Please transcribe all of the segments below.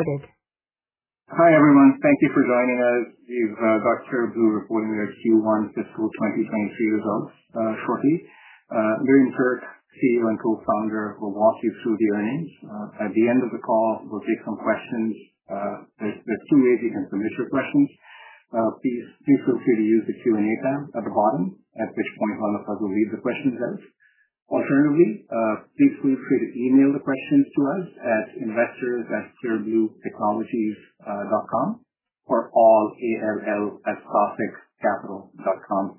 Hi, everyone. Thank you for joining us. We've got Clear Blue reporting their Q1 fiscal 2023 results shortly. Miriam Tuerk, CEO and co-founder, will walk you through the earnings. At the end of the call, we'll take some questions. There's two ways you can submit your questions. Please feel free to use the Q&A tab at the bottom, at which point, I'll probably read the questions out. Alternatively, please feel free to email the questions to us at investors@clearbluetechnologies.com or all, A-L-L, at sophiccapital.com.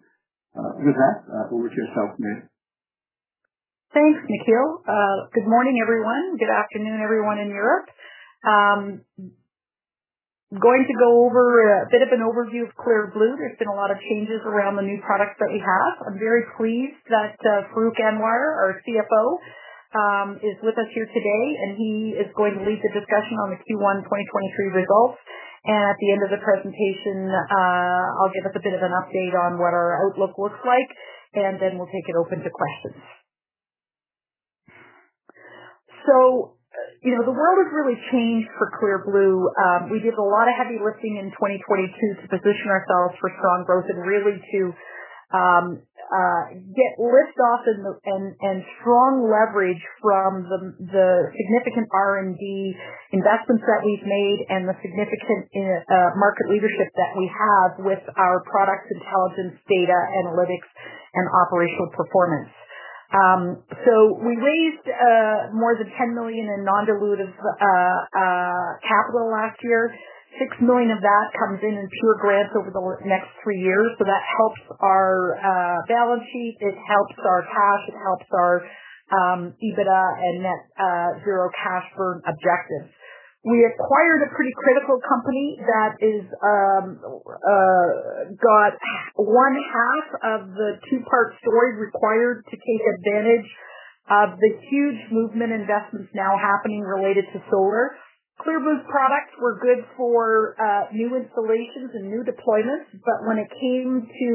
With that, over to yourself, Miriam. Thanks, Nikhil. Good morning, everyone. Good afternoon, everyone in Europe. Going to go over a bit of an overview of Clear Blue. There's been a lot of changes around the new products that we have. I'm very pleased that Farrukh Anwar, our CFO, is with us here today, and he is going to lead the discussion on the Q1 2023 results. At the end of the presentation, I'll give us a bit of an update on what our outlook looks like, we'll take it open to questions. You know, the world has really changed for Clear Blue. We did a lot of heavy lifting in 2022 to position ourselves for strong growth and really to get lift off and strong leverage from the significant R&D investments that we've made and the significant market leadership that we have with our product intelligence, data, analytics, and operational performance. We raised more than 10 million in non-dilutive capital last year. 6 million of that comes in pure grants over the next three years. That helps our balance sheet, it helps our cash, it helps our EBITDA and net zero cash burn objectives. We acquired a pretty critical company that is got one half of the two-part story required to take advantage of the huge movement investments now happening related to solar. Clear Blue's products were good for new installations and new deployments, but when it came to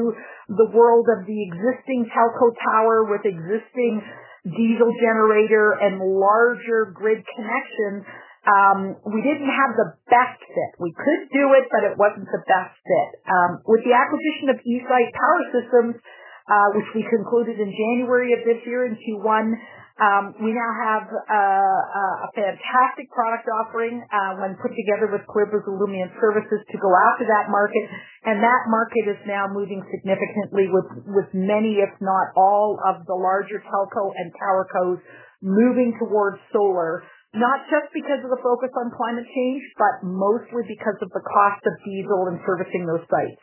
the world of the existing telco tower with existing diesel generator and larger grid connections, we didn't have the best fit. We could do it, but it wasn't the best fit. With the acquisition of eSite Power Systems, which we concluded in January of this year, in 21, we now have a fantastic product offering, when put together with Clear Blue's Illumient services to go after that market. That market is now moving significantly with many, if not all, of the larger telco and TowerCos moving towards solar, not just because of the focus on climate change, but mostly because of the cost of diesel and servicing those sites.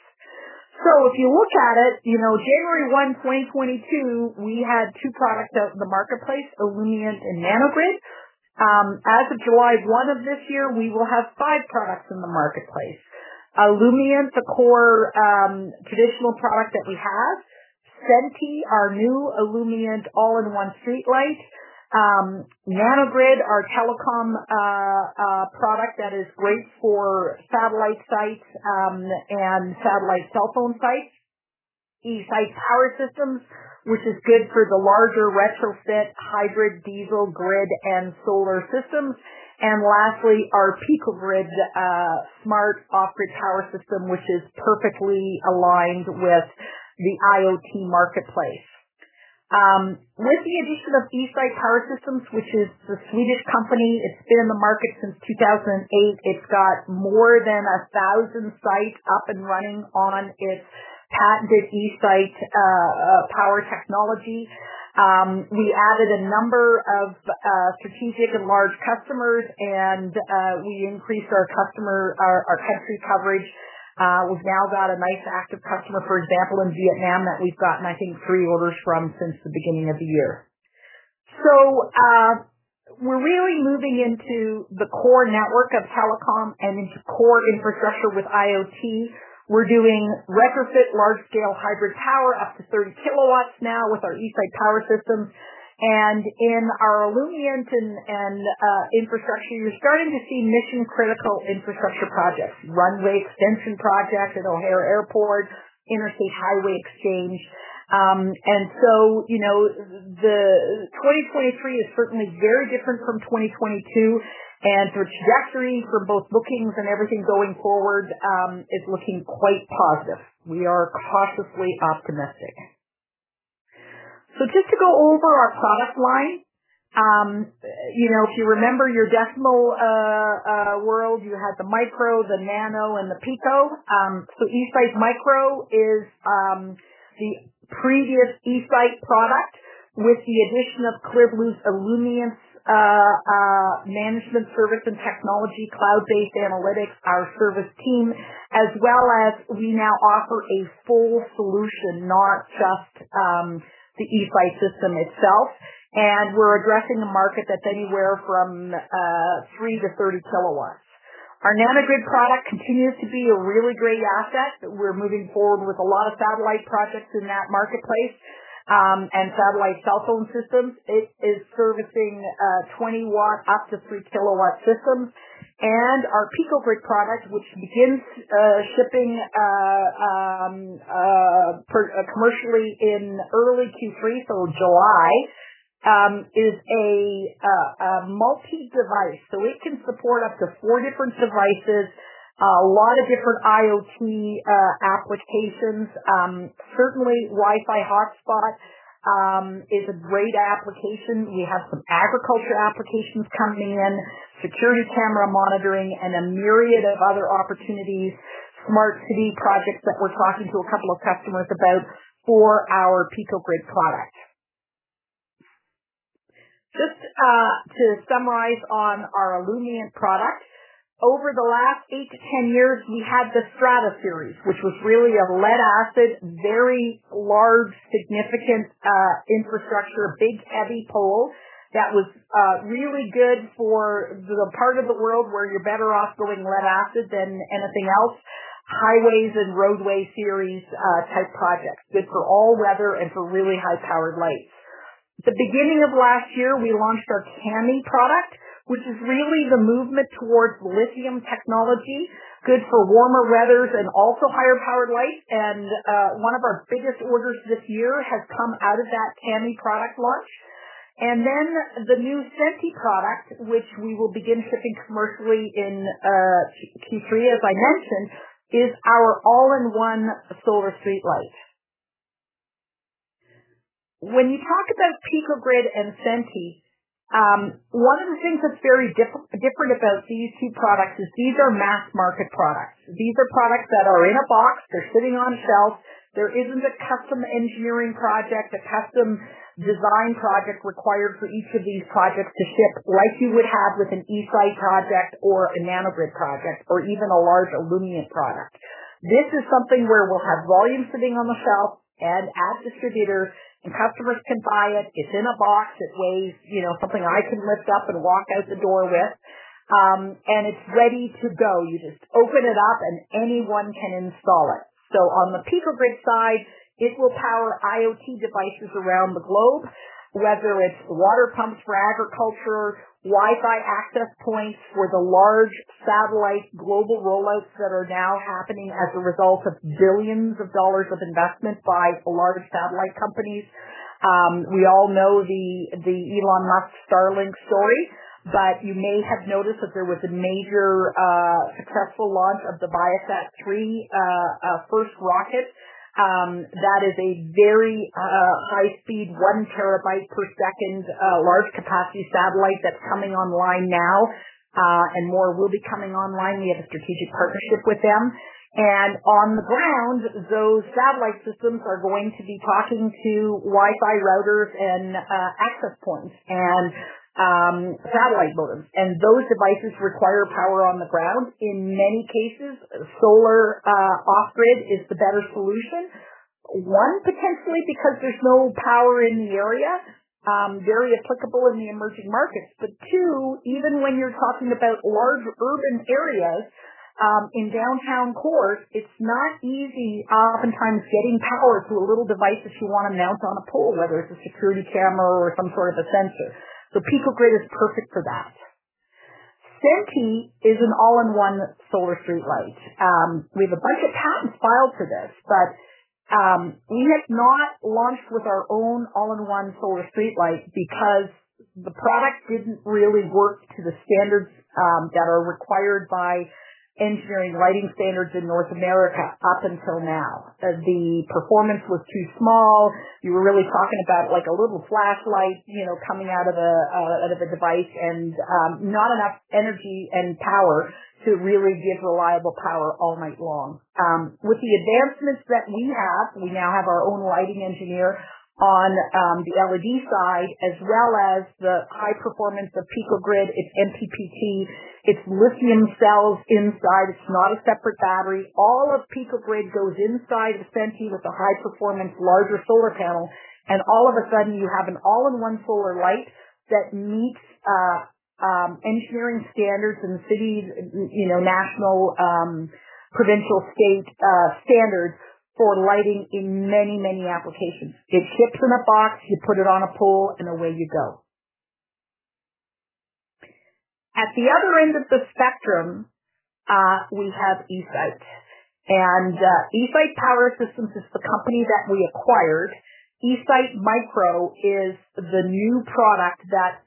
If you look at it, you know, January 1, 2022, we had two products out in the marketplace, Illumient and Nano-Grid. As of July 1 of this year, we will have five products in the marketplace. Illumient, the core, traditional product that we have. Senti, our new Illumient all-in-one streetlight. Nano-Grid, our telecom product that is great for satellite sites and satellite cell phone sites. eSite Power Systems, which is good for the larger retrofit, hybrid, diesel, grid, and solar systems. Lastly, our Pico-Grid smart off-grid power system, which is perfectly aligned with the IoT marketplace. With the addition of eSite Power Systems, which is the Swedish company, it's been in the market since 2008. It's got more than 1,000 sites up and running on its patented eSite power technology. We added a number of strategic and large customers, we increased our customer, our country coverage. We've now got a nice active customer, for example, in Vietnam, that we've gotten, I think, three orders from since the beginning of the year. We're really moving into the core network of telecom and into core infrastructure with IoT. We're doing retrofit large-scale hybrid power up to 30kW now with our eSite Power Systems. In our Illumient and infrastructure, you're starting to see mission-critical infrastructure projects, runway extension projects at O'Hare Airport, interstate highway exchange. You know, the 2023 is certainly very different from 2022, and the trajectory for both bookings and everything going forward is looking quite positive. We are cautiously optimistic. Just to go over our product line. If you remember your decimal world, you had the micro, the nano, and the pico. So eSite Micro is the previous eSite product with the addition of Clear Blue's Illumience management service and technology, cloud-based analytics, our service team, as well as we now offer a full solution, not just the eSite system itself. We're addressing a market that's anywhere from 3 to 30kW. Our Nano-Grid product continues to be a really great asset. We're moving forward with a lot of satellite projects in that marketplace and satellite cell phone systems. It is servicing 20 watt up to 3kW systems, and our Pico-Grid product, which begins shipping commercially in early Q3, so July, is a multi-device It can support up to four different devices, a lot of different IoT applications. Certainly, Wi-Fi hotspot is a great application. We have some agriculture applications coming in, security camera monitoring, and a myriad of other opportunities, smart city projects that we're talking to a couple of customers about for our Pico-Grid product. Just to summarize on our Illumient product. Over the last eight to 10 years, we had the STRADA Series, which was really a lead-acid, very large, significant infrastructure, big, heavy pole that was really good for the part of the world where you're better off going lead-acid than anything else, highways and roadway series type projects, good for all weather and for really high-powered lights. The beginning of last year, we launched our Cami product, which is really the movement towards lithium technology, good for warmer weathers and also higher-powered lights, and one of our biggest orders this year has come out of that Cami product launch. The new Senti product, which we will begin shipping commercially in Q3, as I mentioned, is our all-in-one solar streetlight. When you talk about Pico-Grid and Senti, one of the things that's very different about these two products is these are mass-market products. These are products that are in a box. They're sitting on a shelf. There isn't a custom engineering project, a custom design project required for each of these projects to ship, like you would have with an eSite project or a Nano-Grid project or even a large Illumient product. This is something where we'll have volume sitting on the shelf and at distributors, and customers can buy it. It's in a box. It weighs, you know, something I can lift up and walk out the door with, and it's ready to go. You just open it up, and anyone can install it. On the Pico-Grid side, it will power IoT devices around the globe, whether it's water pumps for agriculture, Wi-Fi access points for the large satellite global rollouts that are now happening as a result of $ billions of investment by the largest satellite companies. We all know the Elon Musk Starlink story, but you may have noticed that there was a major successful launch of the ViaSat-3 first rocket. That is a very high speed, 1 terabyte per second, large capacity satellite that's coming online now. More will be coming online. We have a strategic partnership with them. On the ground, those satellite systems are going to be talking to Wi-Fi routers and access points and satellite modems, and those devices require power on the ground. In many cases, solar off-grid is the better solution. One, potentially because there's no power in the area, very applicable in the emerging markets. Two, even when you're talking about large urban areas, in downtown cores, it's not easy, oftentimes, getting power to a little device that you want to mount on a pole, whether it's a security camera or some sort of a sensor. Pico-Grid is perfect for that. Senti is an all-in-one solar streetlight. We have a bunch of patents filed for this, we had not launched with our own all-in-one solar streetlight because the product didn't really work to the standards that are required by engineering lighting standards in North America up until now. The performance was too small. You were really talking about, like, a little flashlight, you know, coming out of a out of a device and not enough energy and power to really give reliable power all night long. With the advancements that we have, we now have our own lighting engineer on the LED side, as well as the high performance of Pico-Grid. It's MPPT, it's lithium cells inside. It's not a separate battery. All of Pico-Grid goes inside the Senti with a high-performance, larger solar panel. All of a sudden, you have an all-in-one solar light that meets, you know, national, provincial state standards for lighting in many, many applications. It ships in a box, you put it on a pole. Away you go. At the other end of the spectrum, we have eSite. eSite Power Systems is the company that we acquired. Esite-Micro is the new product that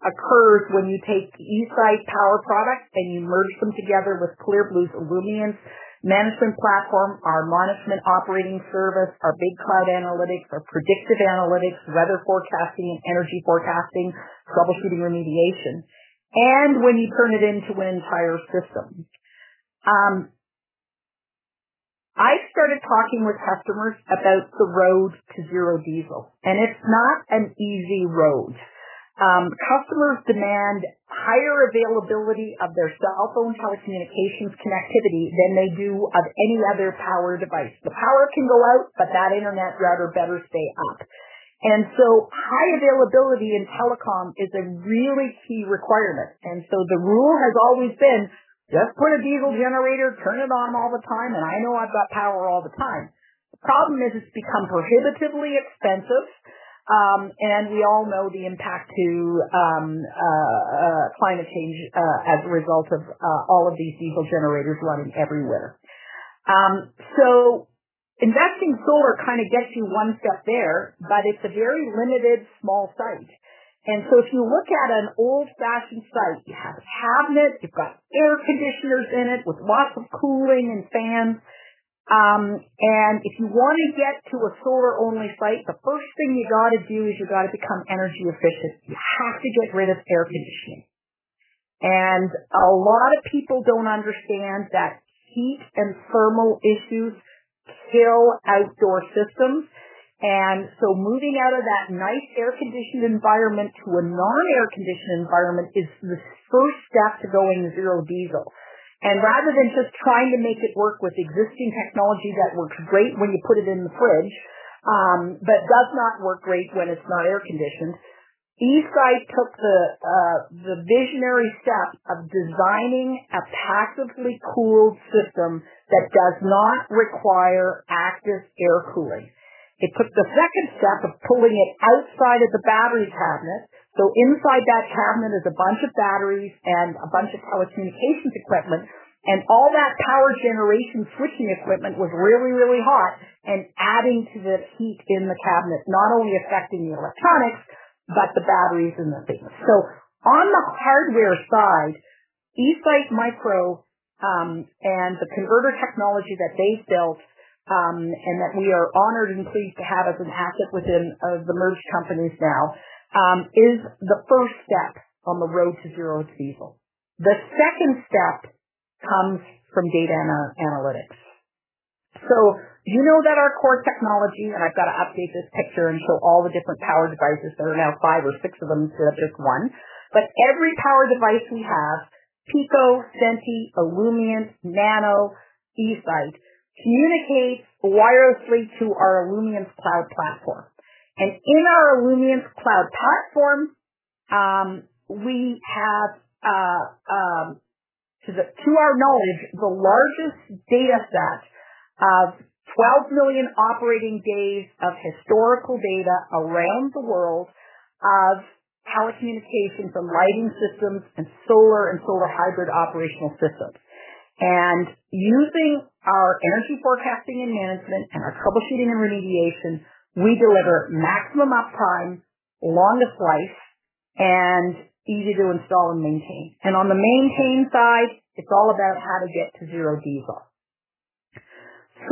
occurs when you take the eSite product and you merge them together with Clear Blue's Illumience management platform, our management operating service, our big cloud analytics, our predictive analytics, weather forecasting, energy forecasting, troubleshooting, remediation. When you turn it into an entire system. I started talking with customers about the road to zero diesel, and it's not an easy road. Customers demand higher availability of their cell phone telecommunications connectivity than they do of any other power device. The power can go out, but that internet router better stay up. High availability in telecom is a really key requirement. The rule has always been, just put a diesel generator, turn it on all the time, and I know I've got power all the time. The problem is it's become prohibitively expensive, and we all know the impact to climate change as a result of all of these diesel generators running everywhere. Investing solar kind of gets you one step there, but it's a very limited small site. If you look at an old-fashioned site, you have a cabinet, you've got air conditioners in it with lots of cooling and fans. If you want to get to a solar-only site, the first thing you got to do is you got to become energy efficient. You have to get rid of air conditioning. A lot of people don't understand that heat and thermal issues kill outdoor systems. Moving out of that nice air-conditioned environment to a non-air-conditioned environment is the first step to going zero diesel. Rather than just trying to make it work with existing technology, that works great when you put it in the fridge, but does not work great when it's not air-conditioned. eSite took the visionary step of designing a passively cooled system that does not require active air cooling. It took the second step of pulling it outside of the battery cabinet. Inside that cabinet is a bunch of batteries and a bunch of telecommunications equipment, all that power generation switching equipment was really, really hot and adding to the heat in the cabinet, not only affecting the electronics, but the batteries and the things. On the hardware side, eSite-micro, and the converter technology that they've built, and that we are honored and pleased to have as an asset within the merged companies now, is the first step on the road to zero diesel. The second step comes from data analytics. You know that our core technology, and I've got to update this picture and show all the different power devices that are now five or six of them to just one. Every power device we have, PICO, Senti, Illumient, Nano, eSite, communicates wirelessly to our Illumient cloud platform. In our Illumient cloud platform, we have, to our knowledge, the largest dataset of 12 million operating days of historical data around the world of power communications from lighting systems and solar and solar hybrid operational systems. Using our energy forecasting and management and our troubleshooting and remediation, we deliver maximum uptime, longest life, and easy to install and maintain. On the maintenance side, it's all about how to get to zero diesel.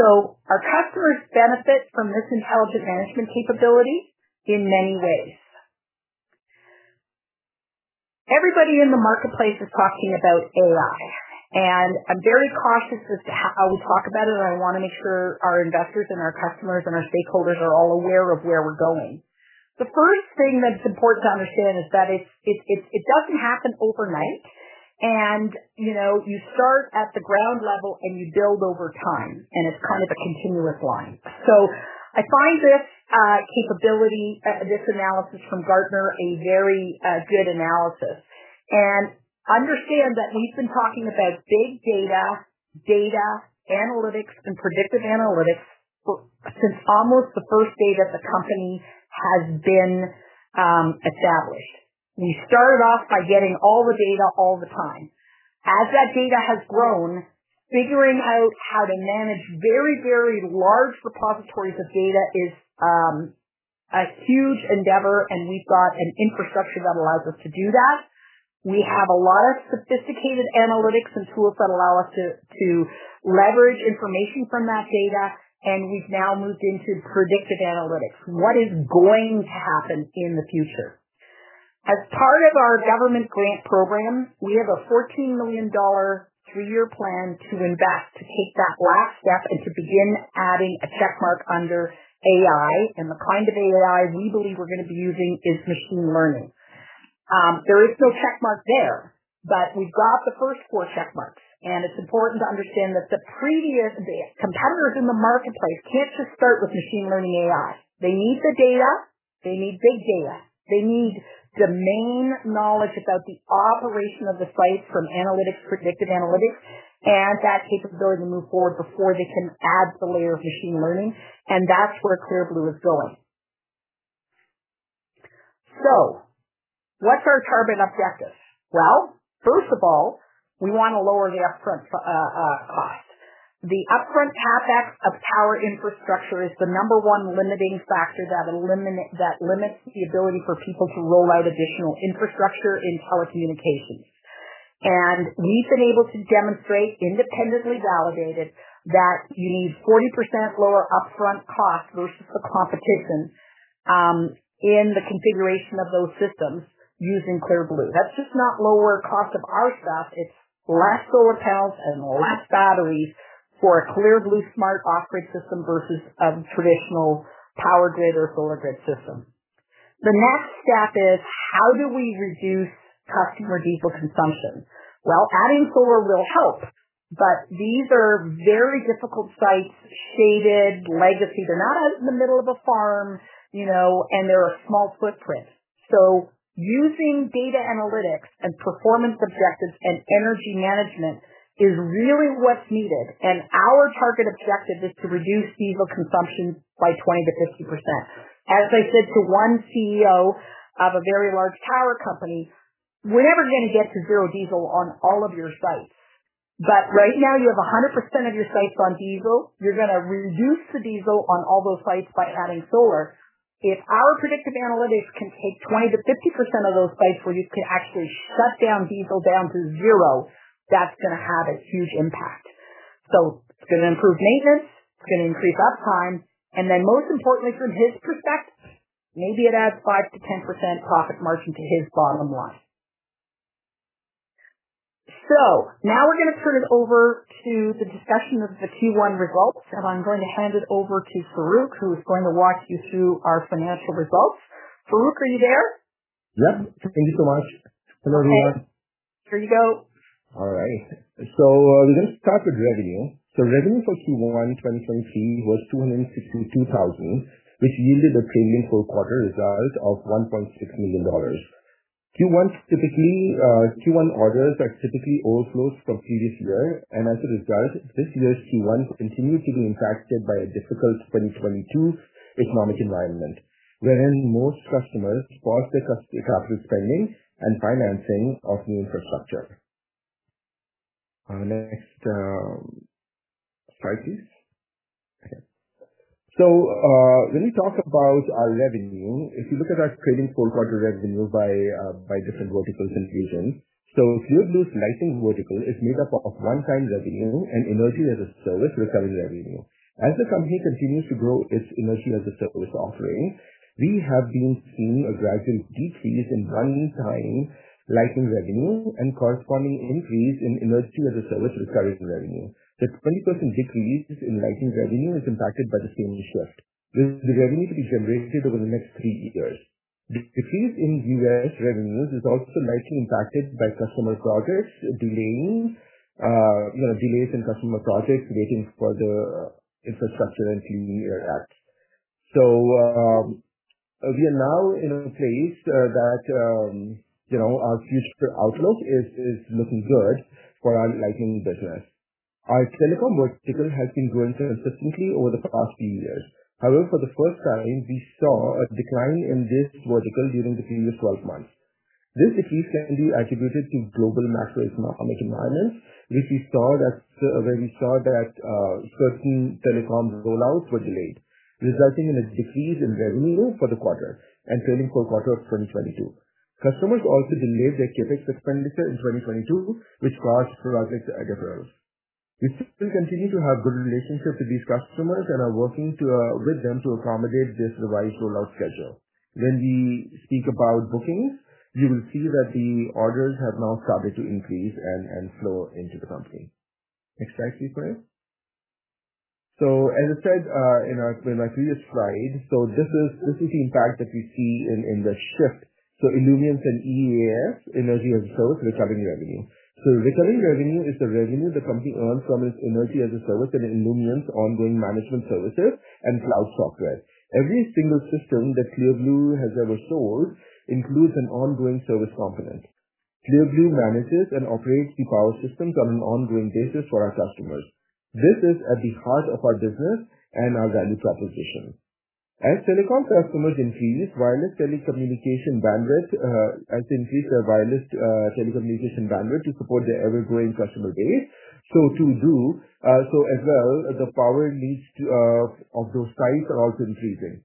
Our customers benefit from this intelligent management capability in many ways. Everybody in the marketplace is talking about AI, and I'm very cautious with how we talk about it, and I want to make sure our investors and our customers and our stakeholders are all aware of where we're going. The first thing that's important to understand is that it's, it doesn't happen overnight, and, you know, you start at the ground level, and you build over time, and it's kind of a continuous line. I find this capability, this analysis from Gartner, a very good analysis. Understand that we've been talking about big data analytics, and predictive analytics for, since almost the first day that the company has been established. We started off by getting all the data all the time. As that data has grown, figuring out how to manage very, very large repositories of data is a huge endeavor, and we've got an infrastructure that allows us to do that. We have a lot of sophisticated analytics and tools that allow us to leverage information from that data, and we've now moved into predictive analytics. What is going to happen in the future? As part of our government grant program, we have a 14 million dollar, three-year plan to invest, to take that last step and to begin adding a check mark under AI. The kind of AI we believe we're going to be using is machine learning. There is no check mark there, but we've got the first four check marks, and it's important to understand that the previous competitors in the marketplace can't just start with machine learning AI. They need the data. They need big data. They need domain knowledge about the operation of the site from analytics, predictive analytics, and that capability to move forward before they can add the layer of machine learning, and that's where Clear Blue is going. What's our target objective? Well, first of all, we want to lower the upfront cost. The upfront CapEx of power infrastructure is the number one limiting factor that limits the ability for people to roll out additional infrastructure in telecommunications. We've been able to demonstrate, independently validated, that you need 40% lower upfront cost versus the competition, in the configuration of those systems using Clear Blue. That's just not lower cost of our stuff; it's less solar panels and less batteries for a Clear Blue smart off-grid system versus a traditional power grid or solar grid system. The next step is, how do we reduce customer diesel consumption? Adding solar will help, but these are very difficult sites, shaded, legacy. They're not out in the middle of a farm, you know, and they're a small footprint. Using data analytics and performance objectives and energy management is really what's needed, and our target objective is to reduce diesel consumption by 20%-50%. As I said to one CEO of a very large tower company, we're never gonna get to zero diesel on all of your sites, but right now, you have 100% of your sites on diesel. You're gonna reduce the diesel on all those sites by adding solar. If our predictive analytics can take 20%-50% of those sites where you can actually shut down diesel down to zero, that's gonna have a huge impact. It's gonna improve maintenance, it's gonna increase uptime, and then most importantly, from his perspective, maybe it adds 5%-10% profit margin to his bottom line. Now we're going to turn it over to the discussion of Q1 results, and I'm going to hand it over to Farrukh, who's going to walk you through our financial results. Farrukh, are you there? Yes. Thank you so much. Hello, everyone. Here you go. All right. We're going to start with revenue. Revenue for Q1, 2020 was 262,000, which yielded a trailing four-quarter result of 1.6 million. Q1, typically, Q1 orders are typically overflows from previous year, and as a result, this year's Q1 continued to be impacted by a difficult 2022 economic environment, wherein most customers paused their capital spending and financing of new infrastructure. Next slide, please. Okay. Let me talk about our revenue. If you look at our trailing four-quarter revenue by different verticals and regions. Clear Blue's lighting vertical is made up of one-time revenue and Energy-as-a-Service recurring revenue. As the company continues to grow its Energy-as-a-Service offering, we have been seeing a gradual decrease in one-time lighting revenue and corresponding increase in Energy-as-a-Service recurring revenue. The 20% decrease in lighting revenue is impacted by the same shift, with the revenue to be generated over the next three years. The decrease in U.S. revenues is also largely impacted by customer projects delaying, you know, delays in customer projects waiting for the infrastructure and zoning acts. We are now in a place that, you know, our future outlook is looking good for our lighting business. Our telecom vertical has been growing consistently over the past few years. For the first time, we saw a decline in this vertical during the previous 12 months. This decrease can be attributed to global macroeconomic environment, which we saw that where we saw that certain telecom rollouts were delayed, resulting in a decrease in revenue for the quarter and trailing Q4 of 2022. Customers also delayed their CapEx expenditure in 2022, which caused project to add up. We still continue to have good relationship with these customers and are working with them to accommodate this revised rollout schedule. When we speak about bookings, you will see that the orders have now started to increase and flow into the company. Next slide, please. As I said, in our previous slide, this is the impact that we see in the shift. Illumient's an EaaS, Energy-as-a-Service, recurring revenue. Recurring revenue is the revenue the company earns from its energy-as-a-service and Illumient's ongoing management services and cloud software. Every single system that Clear Blue has ever sold includes an ongoing service component. Clear Blue manages and operates the power systems on an ongoing basis for our customers. This is at the heart of our business and our value proposition. As telecom customers increase wireless telecommunication bandwidth to support their ever-growing customer base, so as well, the power needs of those sites are also increasing.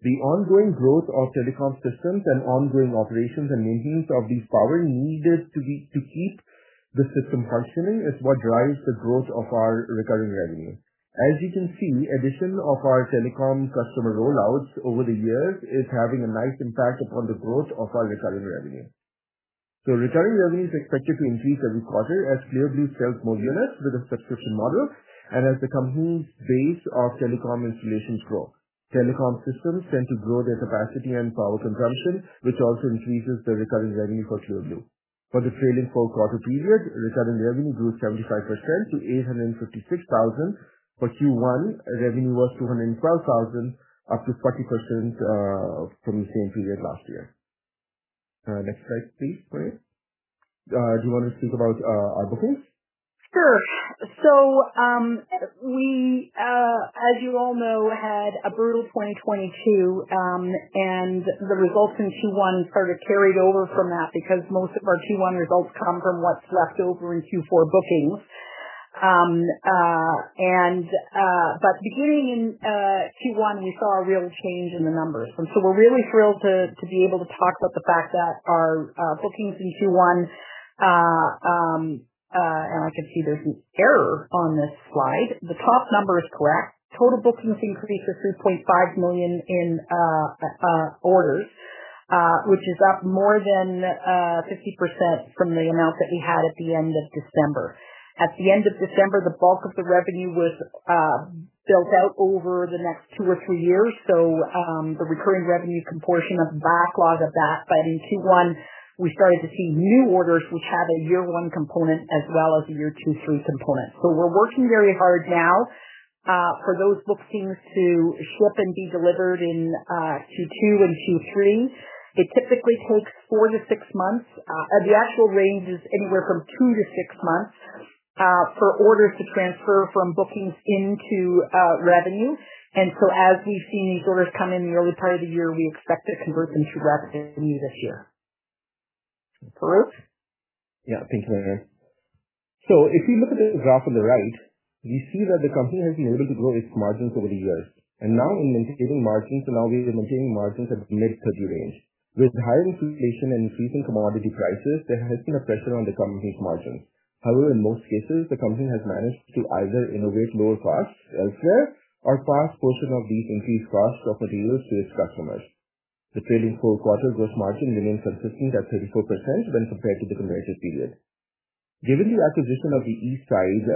The ongoing growth of telecom systems and ongoing operations and maintenance of the power needed to keep the system functioning, is what drives the growth of our recurring revenue. As you can see, addition of our telecom customer rollouts over the years is having a nice impact upon the growth of our recurring revenue. Recurring revenue is expected to increase every quarter as Clear Blue sells more units with a subscription model and as the company's base of telecom installations grow. Telecom systems tend to grow their capacity and power consumption, which also increases the recurring revenue for Clear Blue. For the trailing Q4 period, recurring revenue grew 75% to 856 thousand. For Q1, revenue was 212 thousand, up to 40% from the same period last year. Next slide, please, Miriam. Do you want to speak about our bookings? Sure. We, as you all know, had a brutal 2022, and the results in Q1 sort of carried over from that because most of our Q1 results come from what's left over in Q4 bookings. Beginning in Q1, we saw a real change in the numbers. We're really thrilled to be able to talk about the fact that our bookings in Q1. I can see there's an error on this slide. The top number is correct. Total bookings increased to 3.5 million in orders, which is up more than 50% from the amount that we had at the end of December. At the end of December, the bulk of the revenue was built out over the next two or three years. The recurring revenue proportion of backlog of that, but in Q1, we started to see new orders, which have a year one component as well as a year two, three component. We're working very hard now, for those bookings to ship and be delivered in Q2 and Q3. It typically takes four to six months. The actual range is anywhere from two to six months, for orders to transfer from bookings into revenue. As we've seen orders come in the early part of the year, we expect to convert into revenue this year. Farrukh? Thank you, Miriam. If we look at the graph on the right, we see that the company has been able to grow its margins over the years, so now we are maintaining margins at mid-30s range. With high inflation and increasing commodity prices, there has been a pressure on the company's margins. However, in most cases, the company has managed to either innovate lower costs elsewhere or pass portion of these increased costs of materials to its customers. The trailing Q4 gross margin remains consistent at 34% when compared to the comparative period. Given the acquisition of the eSite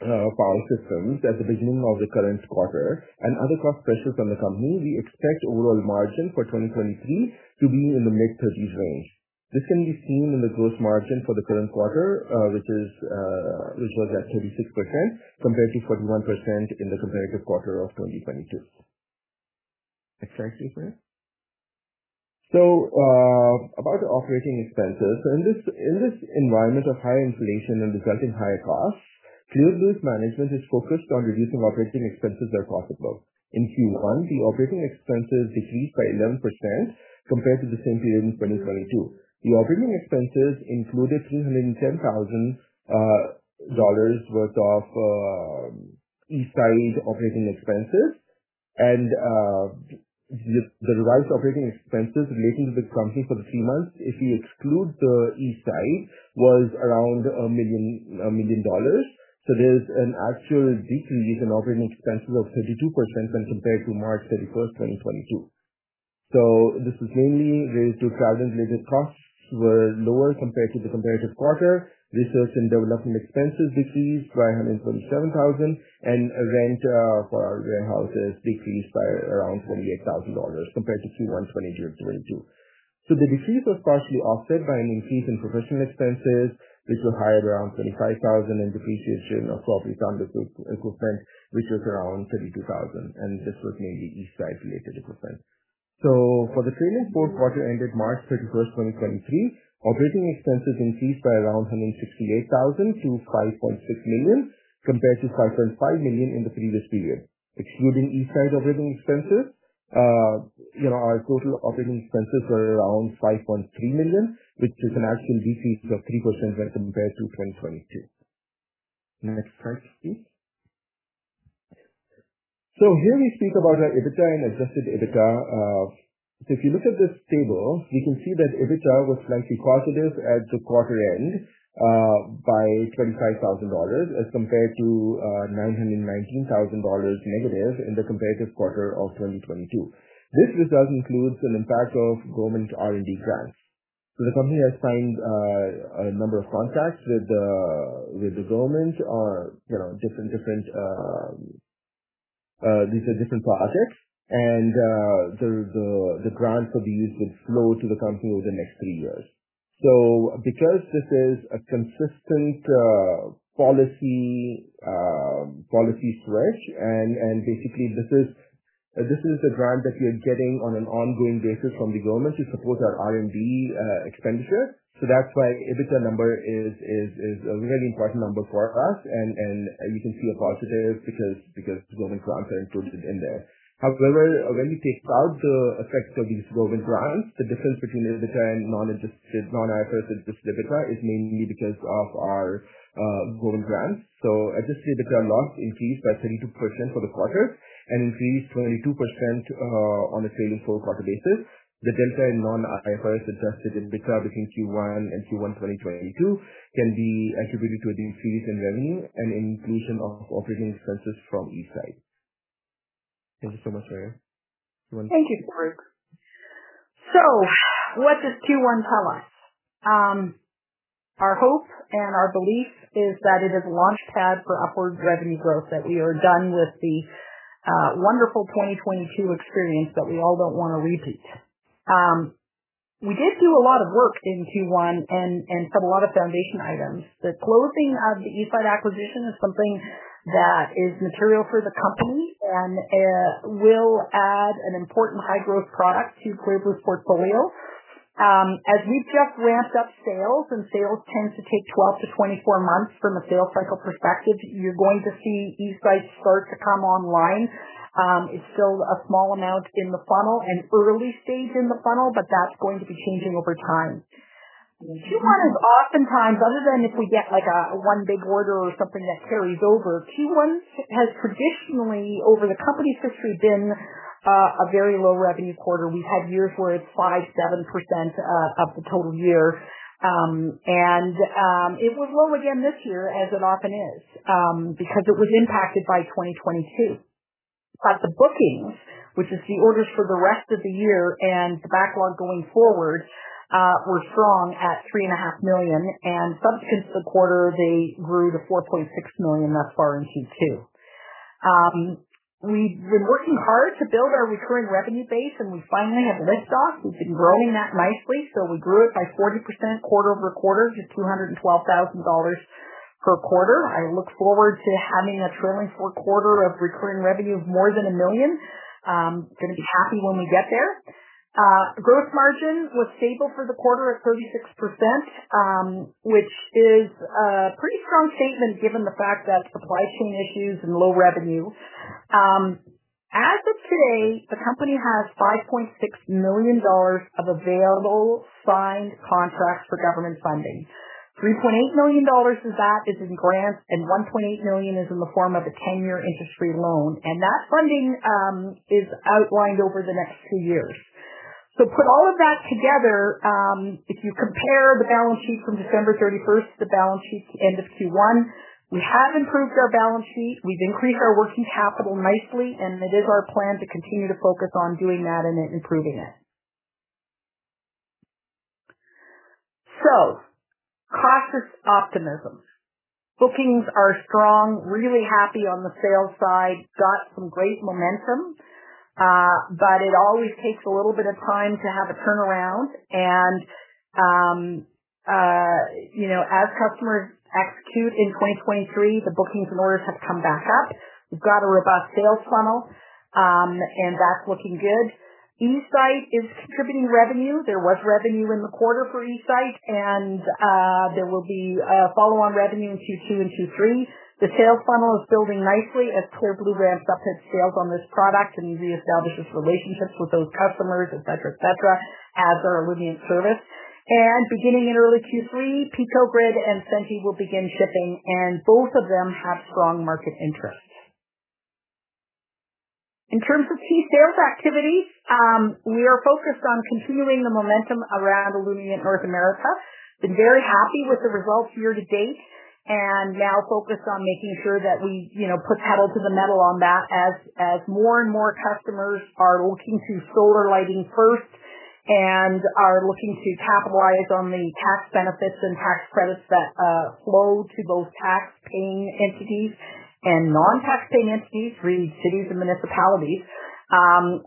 Power Systems at the beginning of the current quarter and other cost pressures on the company, we expect overall margin for 2023 to be in the mid-30s range. This can be seen in the gross margin for the current quarter, which was at 36% compared to 41% in the comparative quarter of 2022. Next slide, please, Miriam. About the operating expenses. In this, in this environment of high inflation and resulting higher costs, management is focused on reducing operating expenses where possible. In Q1, the operating expenses decreased by 11% compared to the same period in 2022. The operating expenses included $310,000 worth of eSite operating expenses. The revised operating expenses relating to the company for the three months, if we exclude the eSite, was around $1 million. There's an actual decrease in operating expenses of 32% when compared to March 31, 2022. This is mainly related to travel and labor costs were lower compared to the comparative quarter. Research and development expenses decreased by 147,000, and rent for our warehouses decreased by around $28,000 compared to Q1 2022. The decrease was partially offset by an increase in professional expenses, which were higher at around 25,000, and depreciation of property, plant, and equipment, which was around 32,000, and this was mainly eSite related equipment. For the trailing Q4 ended March 31, 2023, operating expenses increased by around 168,000 to $5.6 compared to 5.5 million in the previous period. Excluding eSite operating expenses, you know, our total operating expenses were around 5.3 million, which is an actual decrease of 3% when compared to 2022. Next slide, please. Here we speak about our EBITDA and Adjusted EBITDA. If you look at this table, you can see that EBITDA was slightly positive at the quarter end, by 25,000 dollars as compared to 919,000 negative in the comparative quarter of 2022. This result includes an impact of government R&D grants. The company has signed a number of contracts with the government or, you know, different, these are different projects, and the grants will flow to the company over the next three years. Because this is a consistent policy stretch, basically this is a grant that we are getting on an ongoing basis from the government to support our R&D expenditure. That's why EBITDA number is a very important number for us, you can see a positive because the government grants are included in there. However, when we take out the effects of these government grants, the difference between EBITDA and non-adjusted, non-IFRS Adjusted EBITDA is mainly because of our government grants. Adjusted EBITDA loss increased by 32% for the quarter and increased 22% on a trailing 4 quarter basis. The delta in non-IFRS Adjusted EBITDA between Q1 and Q1 2022 can be attributed to an increase in revenue and an increase in operating expenses from eSite. Thank you so much, Miriam. Thank you, Farrukh. What does Q1 tell us? Our hope and our belief is that it is a launch pad for upward revenue growth, that we are done with the wonderful 2022 experience that we all don't want to repeat. We did do a lot of work in Q1 and a lot of foundation items. The closing of the eSite acquisition is something that is material for the company, and will add an important high growth product to portfolio. As we just ramped up sales, and sales tend to take 12 to 24 months from a sales cycle perspective, you're going to see eSite start to come online. It's still a small amount in the funnel and early stage in the funnel, but that's going to be changing over time. Q1 is oftentimes, other than if we get, like, a, one big order or something that carries over, Q1 has traditionally, over the company's history, been a very low revenue quarter. We've had years where it's 5%, 7% of the total year. It was low again this year, as it often is, because it was impacted by 2022. The bookings, which is the orders for the rest of the year and the backlog going forward, were strong at 3.5 and subsequent to the quarter, they grew to 4.6 million thus far in Q2. We've been working hard to build our recurring revenue base, and we finally have it off. We've been growing that nicely, so we grew it by 40% quarter-over-quarter to 212,000 dollars per quarter. I look forward to having a trailing four quarter of recurring revenue of more than 1 million. gonna be happy when we get there. Gross margin was stable for the quarter at 36%, which is a pretty firm statement given the fact that supply chain issues and low revenue. As of today, the company has 5.6 million dollars of available signed contracts for government funding. 3.8 million dollars of that is in grants, and 1.8 million is in the form of a 10-year interest-free loan, and that funding is outlined over the next two years. Put all of that together, if you compare the balance sheet from December 31, the balance sheet end of Q1, we have improved our balance sheet. We've increased our working capital nicely. It is our plan to continue to focus on doing that and improving it. Cautious optimism. Bookings are strong, really happy on the sales side, got some great momentum. It always takes a little bit of time to have a turnaround, and, you know, as customers execute in 2023, the bookings and orders have come back up. We've got a robust sales funnel. That's looking good. eSite is contributing revenue. There was revenue in the quarter for eSite. There will be a follow-on revenue in Q2 and Q3. The sales funnel is building nicely as Clear Blue ramps up its sales on this product. Reestablishes relationships with those customers, et cetera, et cetera, as our Illumient service. Beginning in early Q3, Pico-Grid and Senti will begin shipping, and both of them have strong market interest. In terms of key sales activity, we are focused on continuing the momentum around Illumient in North America. Been very happy with the results year-to-date, and now focused on making sure that we, you know, put pedal to the metal on that as more and more customers are looking to solar lighting first and are looking to capitalize on the tax benefits and tax credits that flow to both tax-paying entities and non-tax-paying entities, read: cities and municipalities.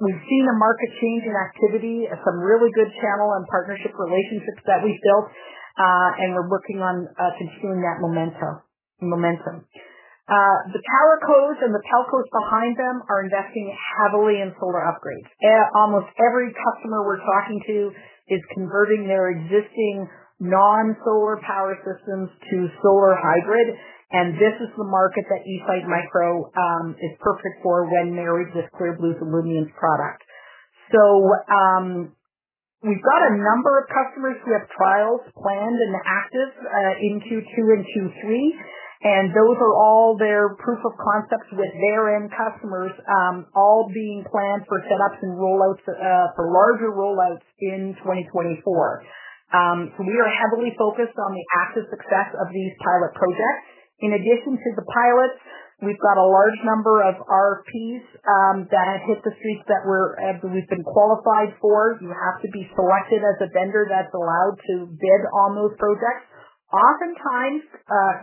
We've seen a market change in activity and some really good channel and partnership relationships that we've built, and we're working on continuing that momentum. The power COEs and the telcos behind them are investing heavily in solar upgrades. Almost every customer we're talking to is converting their existing non-solar power systems to solar hybrid. This is the market that eSite-micro is perfect for when married with Clear Blue's Illumient product. We've got a number of customers who have trials planned and active in Q2 and Q3. Those are all their proof of concepts with their end customers, all being planned for setups and rollouts for larger rollouts in 2024. We are heavily focused on the active success of these pilot projects. In addition to the pilots, we've got a large number of RFPs that hit the streets that we've been qualified for. You have to be selected as a vendor that's allowed to bid on those projects. Oftentimes,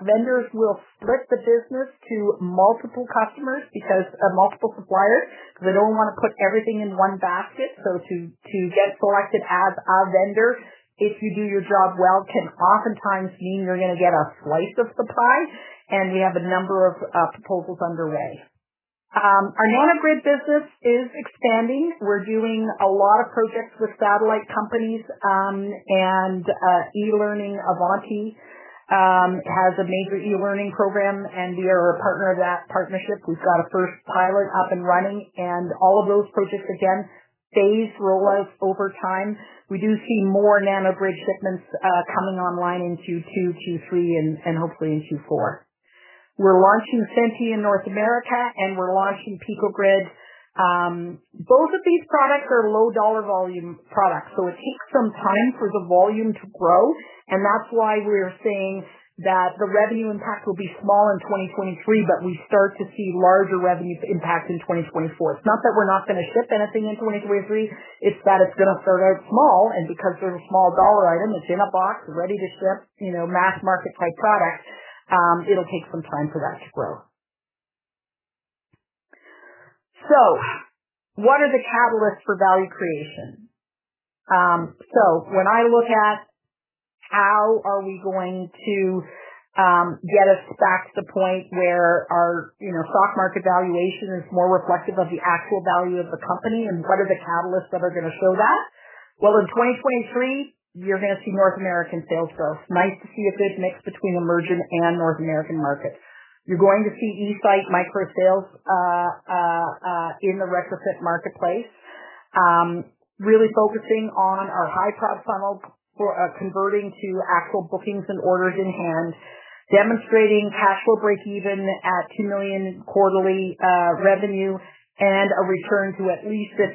vendors will split the business to multiple customers because of multiple suppliers, because they don't want to put everything in one basket. To get selected as a vendor, if you do your job well, can oftentimes mean you're gonna get a slice of supply, and we have a number of proposals underway. Our Nano-Grid business is expanding. We're doing a lot of projects with satellite companies, and e-learning. Avanti has a major e-learning program, and we are a partner of that partnership. We've got a first pilot up and running, and all of those projects, again, phased rollouts over time. We do see more Nano-Grid shipments coming online in Q2, Q3, and hopefully in Q4. We're launching Senti in North America, and we're launching Pico-Grid. Both of these products are low dollar volume products, so it takes some time for the volume to grow, and that's why we're saying that the revenue impact will be small in 2023, but we start to see larger revenues impact in 2024. It's not that we're not gonna ship anything in 2023, it's that it's gonna start out small, and because they're a small dollar item, it's in a box ready to ship, you know, mass market type product, it'll take some time for that to grow. What are the catalysts for value creation? When I look at how are we going to get us back to the point where our, you know, stock market valuation is more reflective of the actual value of the company, and what are the catalysts that are gonna show that? In 2023, you're going to see North American sales growth. Nice to see a good mix between emerging and North American markets. You're going to see eSite-Micro sales in the retrofit marketplace. Really focusing on our high top funnel for converting to actual bookings and orders in hand, demonstrating cash flow breakeven at $2 million quarterly revenue, and a return to at least 50%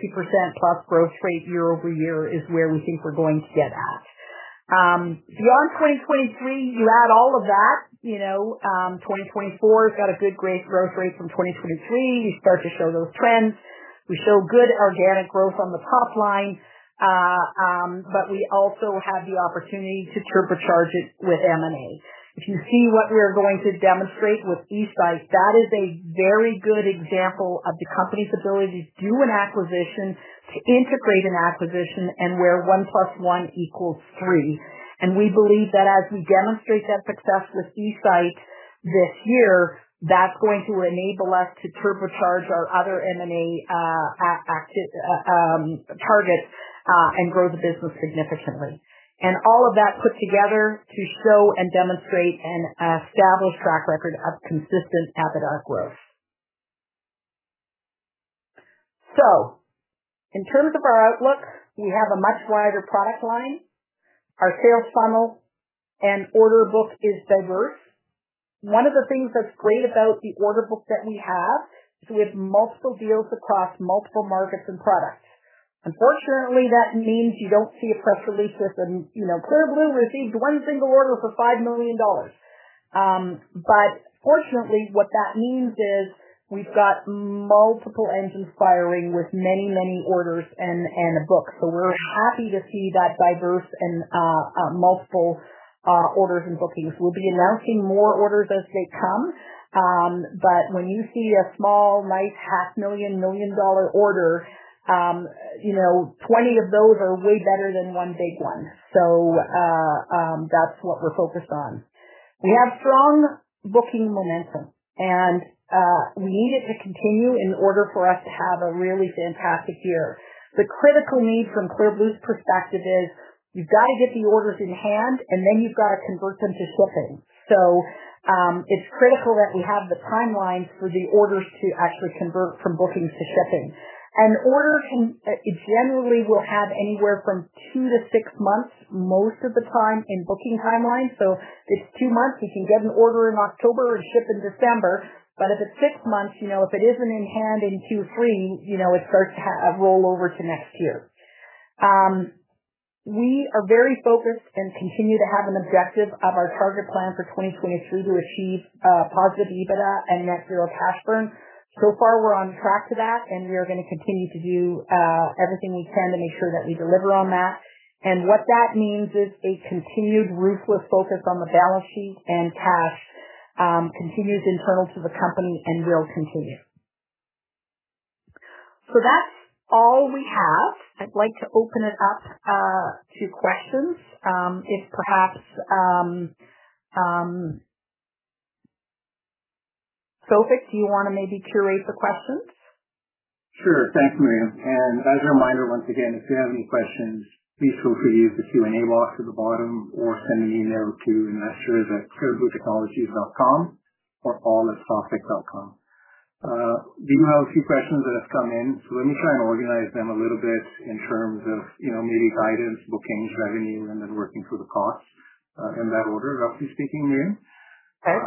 plus growth rate year-over-year is where we think we're going to get at. Beyond 2023, you add all of that, you know, 2024 has got a good growth rate from 2023. We start to show those trends. We show good organic growth on the top line. We also have the opportunity to turbocharge it with M&A. If you see what we are going to demonstrate with eSite, that is a very good example of the company's ability to do an acquisition, to integrate an acquisition, and where one plus one equals three. We believe that as we demonstrate that success with eSite this year, that's going to enable us to turbocharge our other M&A targets and grow the business significantly. All of that put together to show and demonstrate an established track record of consistent EBITDA growth. In terms of our outlook, we have a much wider product line. Our sales funnel and order book is diverse. One of the things that's great about the order book that we have, is we have multiple deals across multiple markets and products. Unfortunately, that means you don't see a press release with an, you know, "Clear Blue received one single order for $5 million." Fortunately, what that means is we've got multiple engines firing with many orders and books. We're happy to see that diverse and multiple orders and bookings. We'll be announcing more orders as they come. When you see a small, nice, half million-dollar order, you know, 20 of those are way better than one big one. That's what we're focused on. We have strong booking momentum, and we need it to continue in order for us to have a really fantastic year. The critical need from Clear Blue's perspective is you've got to get the orders in hand, and then you've got to convert them to shipping. It's critical that we have the timelines for the orders to actually convert from bookings to shipping. Orders can generally will have anywhere from two to six months, most of the time in booking timelines. If it's two months, you can get an order in October and ship in December. If it's six months, you know, if it isn't in hand in Q3, you know, it starts to roll over to next year. We are very focused and continue to have an objective of our target plan for 2023 to achieve positive EBITDA and net zero cash burn. So far, we're on track to that, and we are going to continue to do everything we can to make sure that we deliver on that. What that means is a continued ruthless focus on the balance sheet and cash, continues internal to the company and will continue. That's all we have. I'd like to open it up, to questions. If perhaps, Sophic, do you want to maybe curate the questions? Thanks, Miriam. As a reminder, once again, if you have any questions, please feel free to use the Q&A box at the bottom or send an email to investors@clearbluetechnologies.com or all@sophiccapital.com. We do have a few questions that have come in, so let me try and organize them a little bit in terms of, you know, maybe guidance, bookings, revenue, and then working through the costs in that order. Back to speaking, Miriam. Okay.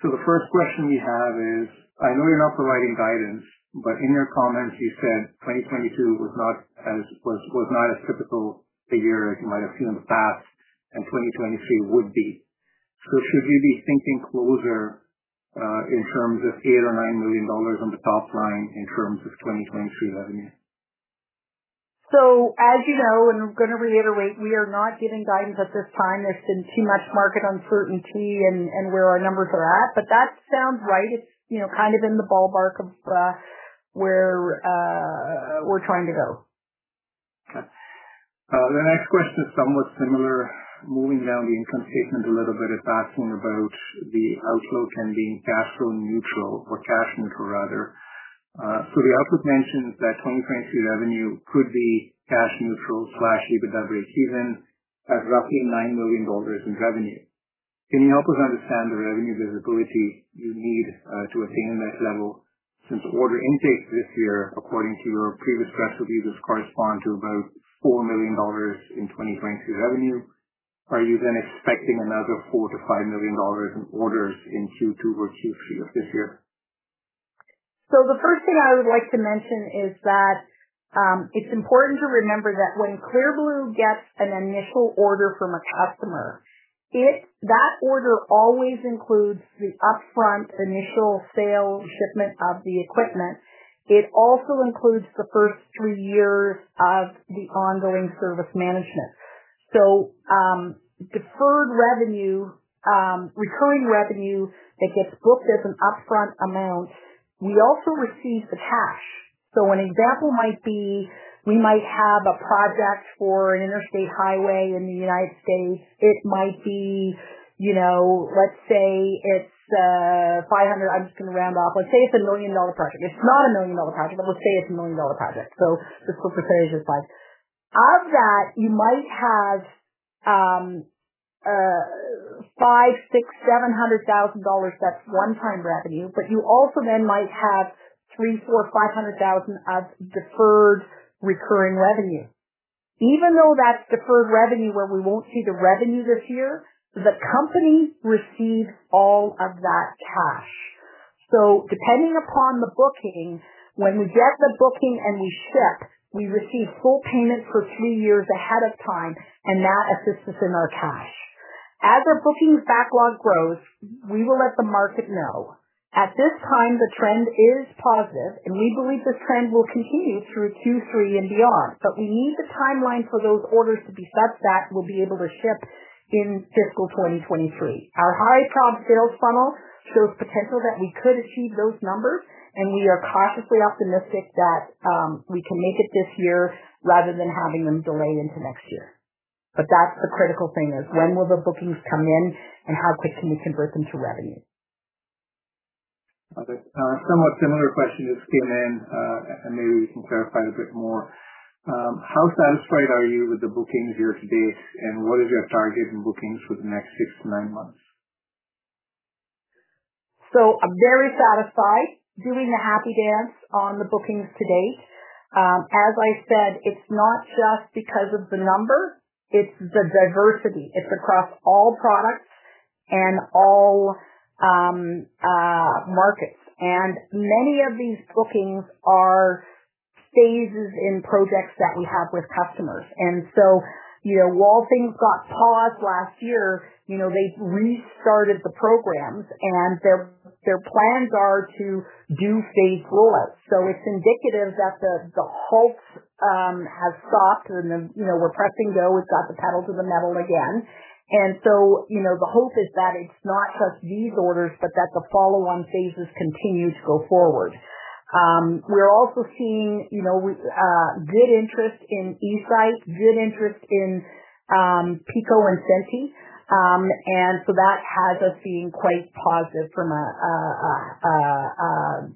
The first question we have is: I know you're not providing guidance, but in your comments you said 2022 was not as typical a year as you might have seen in the past, and 2023 would be. Should we be thinking closer in terms of $8-9 million on the top line in terms of 2023 revenue? As you know, and I'm going to reiterate, we are not giving guidance at this time. There's been too much market uncertainty and where our numbers are at, but that sounds right. It's, you know, kind of in the ballpark of where we're trying to go. Okay. The next question is somewhat similar. Moving down the income statement a little bit, it's asking about the outlook and being cash flow neutral or cash neutral, rather. The outlook mentions that 2023 revenue could be cash neutral/EBITDA breakeven at roughly 9 million dollars in revenue. Can you help us understand the revenue visibility you need to attain the next level, since order intakes this year, according to your previous press releases, correspond to about 4 million dollars in 2023 revenue? Are you expecting another 4- 5 million in orders in Q2 or Q3 of this year? The first thing I would like to mention is that it's important to remember that when Clear Blue gets an initial order from a customer, that order always includes the upfront initial sale shipment of the equipment. It also includes the first three years of the ongoing service management. Deferred revenue, recurring revenue, that gets booked as an upfront amount. We also receive the cash. An example might be, we might have a project for an interstate highway in the United States. It might be, you know, let's say it's a million-dollar project. It's not a million-dollar project, but we'll say it's a million-dollar project. Just for purposes of size. Of that, you might have $500,000-700,000. That's one-time revenue, you also then might have 300,000-500,000 of deferred recurring revenue. Even though that's deferred revenue where we won't see the revenue this year, the company receives all of that cash. Depending upon the booking, when we get the booking and we ship, we receive full payment for two years ahead of time, and that assists us in our cash. As our bookings backlog grows, we will let the market know. At this time, the trend is positive, and we believe the trend will continue through Q3 and beyond. We need the timeline for those orders to be such that we'll be able to ship in fiscal 2023. Our high prom sales funnel shows potential that we could achieve those numbers. We are cautiously optimistic that we can make it this year rather than having them delay into next year. That's the critical thing, is when will the bookings come in, and how quick can we convert them to revenue? Okay. Somewhat similar question that's came in, and maybe you can clarify a bit more. How satisfied are you with the bookings year to date, and what is your target in bookings for the next six to nine months? I'm very satisfied, doing the happy dance on the bookings to date. As I said, it's not just because of the number, it's the diversity. It's across all products and all markets. Many of these bookings are phases in projects that we have with customers. You know, while things got paused last year, you know, they've restarted the programs, and their plans are to do stage rollouts. It's indicative that the halt has stopped, you know, we're pressing go. We've got the pedal to the metal again. You know, the hope is that it's not just these orders, but that the follow-on phases continue to go forward. We're also seeing, you know, good interest in eSite, good interest in Pico-Grid and Senti. That has us being quite positive from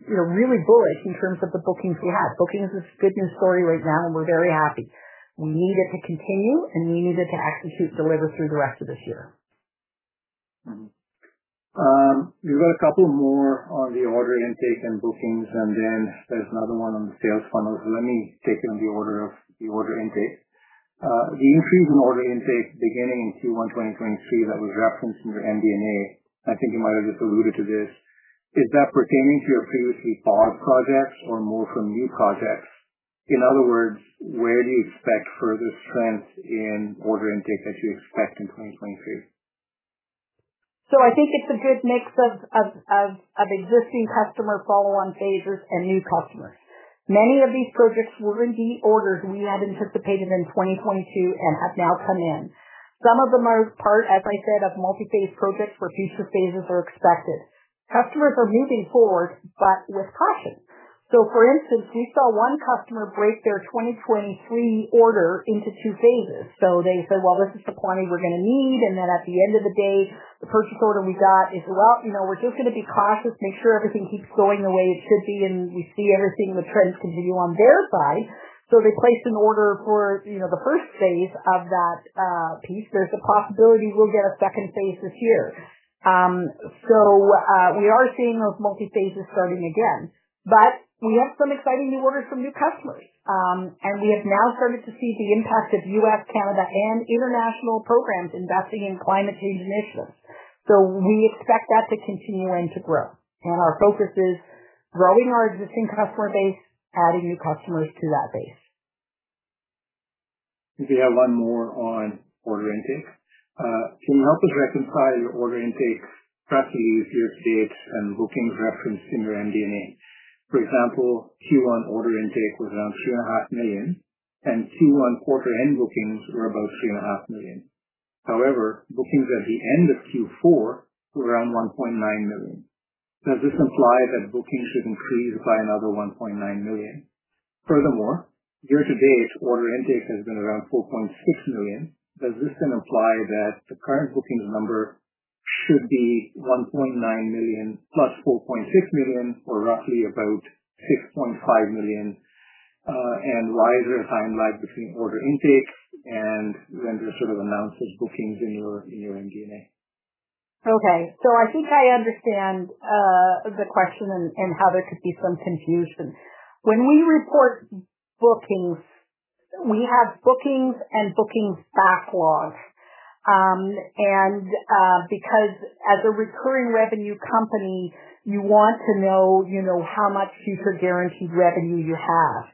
you know, really bullish in terms of the bookings we have. Bookings is a good news story right now, and we're very happy. We need it to continue, and we need it to execute deliver through the rest of this year. We've got a couple more on the order intake and bookings, and then there's another one on the sales funnel. Let me take it in the order of the order intake. The increase in order intake beginning in Q1, 2023, that was referenced in the MD&A, I think you might have just alluded to this. Is that pertaining to your previously paused projects or more from new projects? In other words, where do you expect further strength in order intake that you expect in 2023? I think it's a good mix of existing customer follow-on phases and new customers. Many of these projects were indeed orders we had anticipated in 2022 and have now come in. Some of them are part, as I said, of multi-phase projects where future phases are expected. Customers are moving forward, but with caution. For instance, we saw one customer break their 2023 order into two phases. They said, "Well, this is the quantity we're going to need, and then at the end of the day, the purchase order we got is, well, you know, we're just going to be cautious, make sure everything keeps going the way it should be, and we see everything the trends continue on their side." They placed an order for, you know, the first phase of that piece. There's a possibility we'll get a second phase this year. We are seeing those multi-phases starting again, but we have some exciting new orders from new customers. We have now started to see the impact of U.S., Canada, and international programs investing in climate change initiatives. We expect that to continue and to grow. Our focus is growing our existing customer base, adding new customers to that base. We have one more on order intake. Can you help us reconcile your order intake factories, your dates, and bookings referenced in your MD&A? For example, Q1 order intake was around 3.5 million, and Q1 quarter end bookings were about 3.5 million. However, bookings at the end of Q4 were around 1.9 million. Does this imply that bookings should increase by another 1.9 million? Furthermore, year to date, order intake has been around 4.6 million. Does this then imply that the current bookings number should be 1.9 million plus 4.6 million, or roughly about 6.5 million? Why is there a time lag between order intake and then the sort of announced bookings in your MD&A? Okay. I think I understand the question and how there could be some confusion. When we report bookings, we have bookings and bookings backlog. Because as a recurring revenue company, you want to know, you know, how much future guaranteed revenue you have.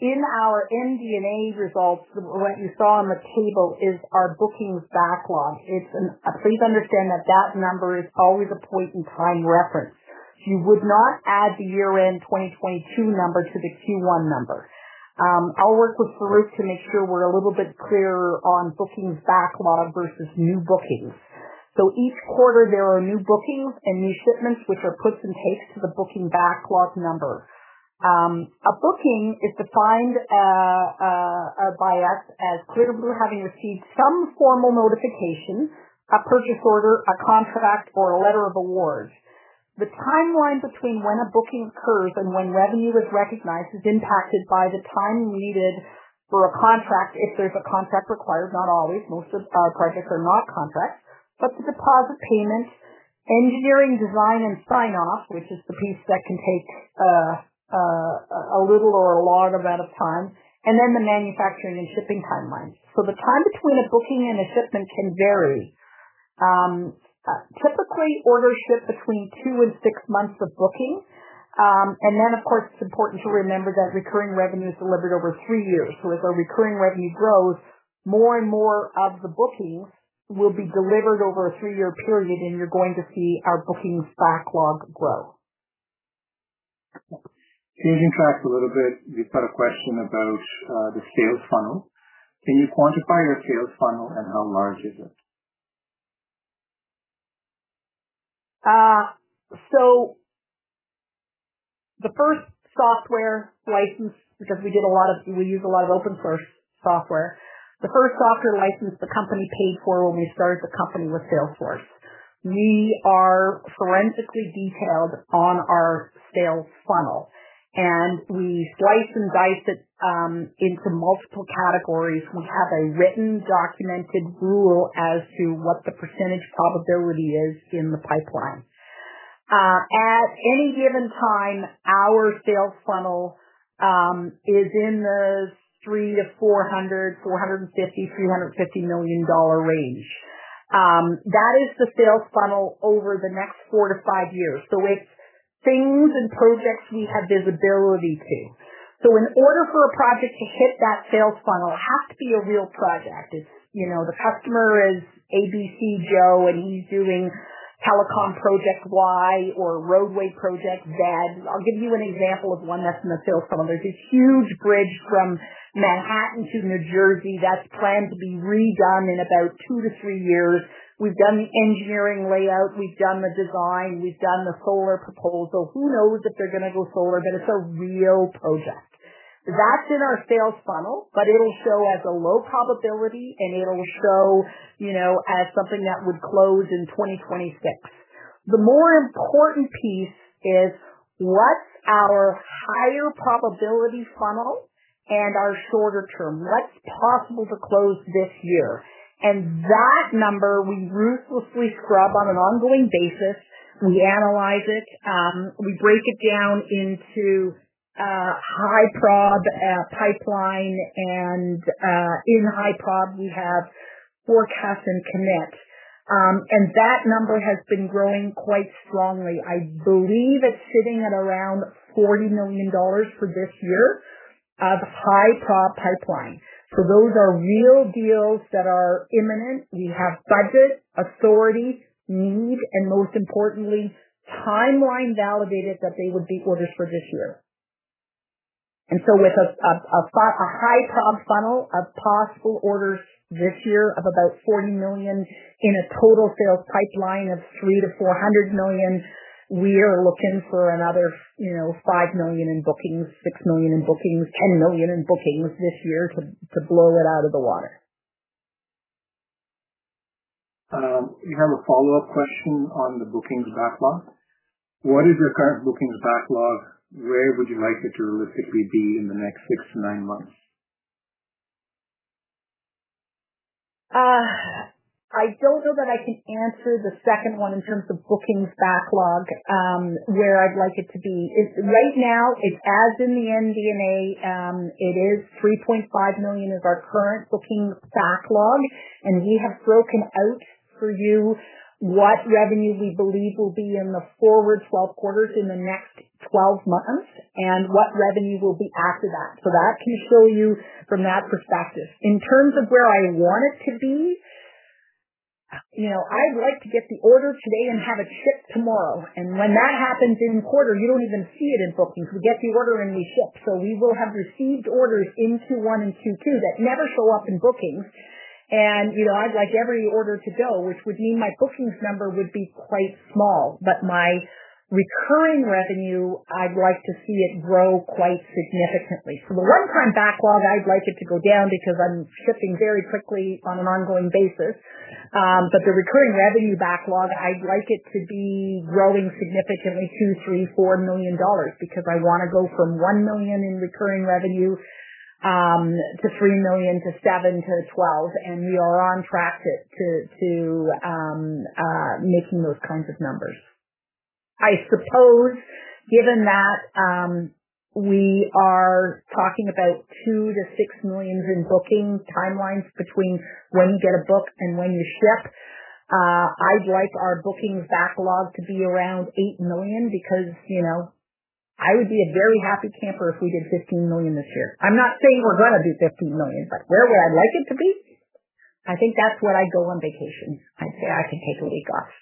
In our MD&A results, what you saw on the table is our bookings backlog. Please understand that number is always a point-in-time reference. You would not add the year-end 2022 number to the Q1 number. I'll work with Claris to make sure we're a little bit clearer on bookings backlog versus new bookings. Each quarter there are new bookings and new shipments, which are puts and takes to the booking backlog number. A booking is defined. by us as clearly we're having received some formal notification, a purchase order, a contract, or a letter of award. The timeline between when a booking occurs and when revenue is recognized is impacted by the time needed for a contract, if there's a contract required, not always. Most of our projects are not contracts, but the deposit payment, engineering, design, and sign off, which is the piece that can take a little or a large amount of time, and then the manufacturing and shipping timeline. The time between a booking and a shipment can vary. Typically orders ship between two and six months of booking. Then, of course, it's important to remember that recurring revenue is delivered over three years. As our recurring revenue grows, more and more of the bookings will be delivered over a three-year period, and you're going to see our bookings backlog grow. Changing tracks a little bit. We've got a question about the sales funnel. Can you quantify your sales funnel, and how large is it? The first software license, because we use a lot of open source software. The first software license the company paid for when we started the company was Salesforce. We are forensically detailed on our sales funnel, and we slice and dice it into multiple categories. We have a written, documented rule as to what the percentage probability is in the pipeline. At any given time, our sales funnel is in the 300- 400 million, 450 million, 350 million dollar range. That is the sales funnel over the next four to five years. It's things and projects we have visibility to. In order for a project to hit that sales funnel, it has to be a real project. It's, you know, the customer is ABC Joe, and he's doing telecom project Y or roadway project Z. I'll give you an example of one that's in the sales funnel. There's this huge bridge from Manhattan to New Jersey that's planned to be redone in about two to three years. We've done the engineering layout, we've done the design, we've done the solar proposal. Who knows if they're gonna go solar, but it's a real project. That's in our sales funnel, but it'll show as a low probability, and it'll show, you know, as something that would close in 2026. The more important piece is, what's our higher probability funnel and our shorter term? What's possible to close this year? That number, we ruthlessly scrub on an ongoing basis. We analyze it, we break it down into high prob pipeline, and in high prob, we have forecast and commit. That number has been growing quite strongly. I believe it's sitting at around $40 million for this year of high-prob pipeline. So those are real deals that are imminent. We have budget, authority, need, and most importantly, timeline validated that they would be orders for this year. With a high-prob funnel of possible orders this year of about $40 million in a total sales pipeline of $300-400 million, we are looking for another, you know, $5 million in bookings, $6 million in bookings, 10 million in bookings this year to blow it out of the water. We have a follow-up question on the bookings backlog. What is your current bookings backlog? Where would you like it to realistically be in the next six to nine months? I don't know that I can answer the second one in terms of bookings backlog, where I'd like it to be. Right now, it's as in the MD&A, it is 3.5 million is our current bookings backlog, and we have broken out for you what revenue we believe will be in the forward 12 quarters in the next 12 months and what revenue will be after that. That can show you from that perspective. In terms of where I want it to be, you know, I'd like to get the order today and have it ship tomorrow. When that happens in quarter, you don't even see it in bookings. We get the order, and we ship. We will have received orders in Q1 and Q2 that never show up in bookings. You know, I'd like every order to go, which would mean my bookings number would be quite small, but my recurring revenue, I'd like to see it grow quite significantly. The one-time backlog, I'd like it to go down because I'm shipping very quickly on an ongoing basis. The recurring revenue backlog, I'd like it to be growing significantly 2 million, 3 million, 4 million because I wanna go from 1 million in recurring revenue to 3 to 7 million to 12 million, and we are on track to making those kinds of numbers. I suppose given that, we are talking about 2-6 million in booking timelines between when you get a book and when you ship, I'd like our bookings backlog to be around 8 million because, you know, I would be a very happy camper if we did 15 million this year. I'm not saying we're gonna do 15 million. Where would I like it to be? I think that's where I'd go on vacation. I'd say I can take a week off.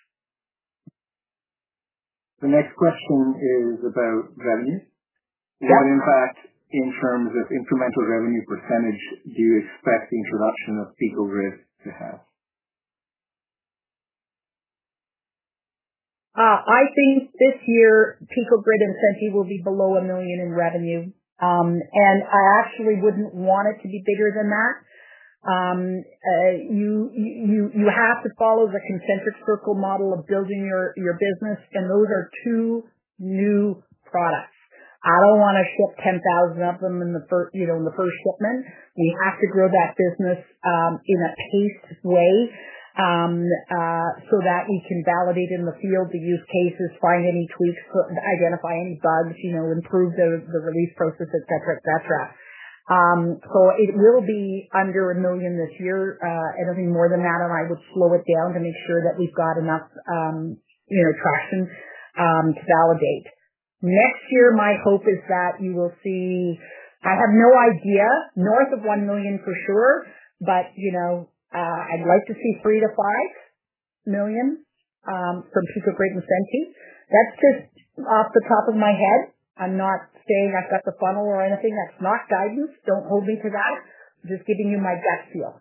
The next question is about revenue. What impact in terms of incremental revenue % do you expect the introduction of EagleRift to have? I think this year, Pico-Grid and Senti will be below 1 million in revenue. I actually wouldn't want it to be bigger than that. You have to follow the concentric circle model of building your business, and those are two new products. I don't wanna ship 10,000 of them in the first, you know, in the first shipment. We have to grow that business in a paced way so that we can validate in the field the use cases, find any tweaks, identify any bugs, you know, improve the release process, et cetera, et cetera. It will be under 1 million this year. Anything more than that, I would slow it down to make sure that we've got enough, you know, traction to validate. Next year, my hope is that you will see. I have no idea, north of 1 million for sure, but, you know, I'd like to see 3-5 million from Pico-Grid and Senti. That's just off the top of my head. I'm not saying I've got the funnel or anything. That's not guidance. Don't hold me to that. Just giving you my best feel.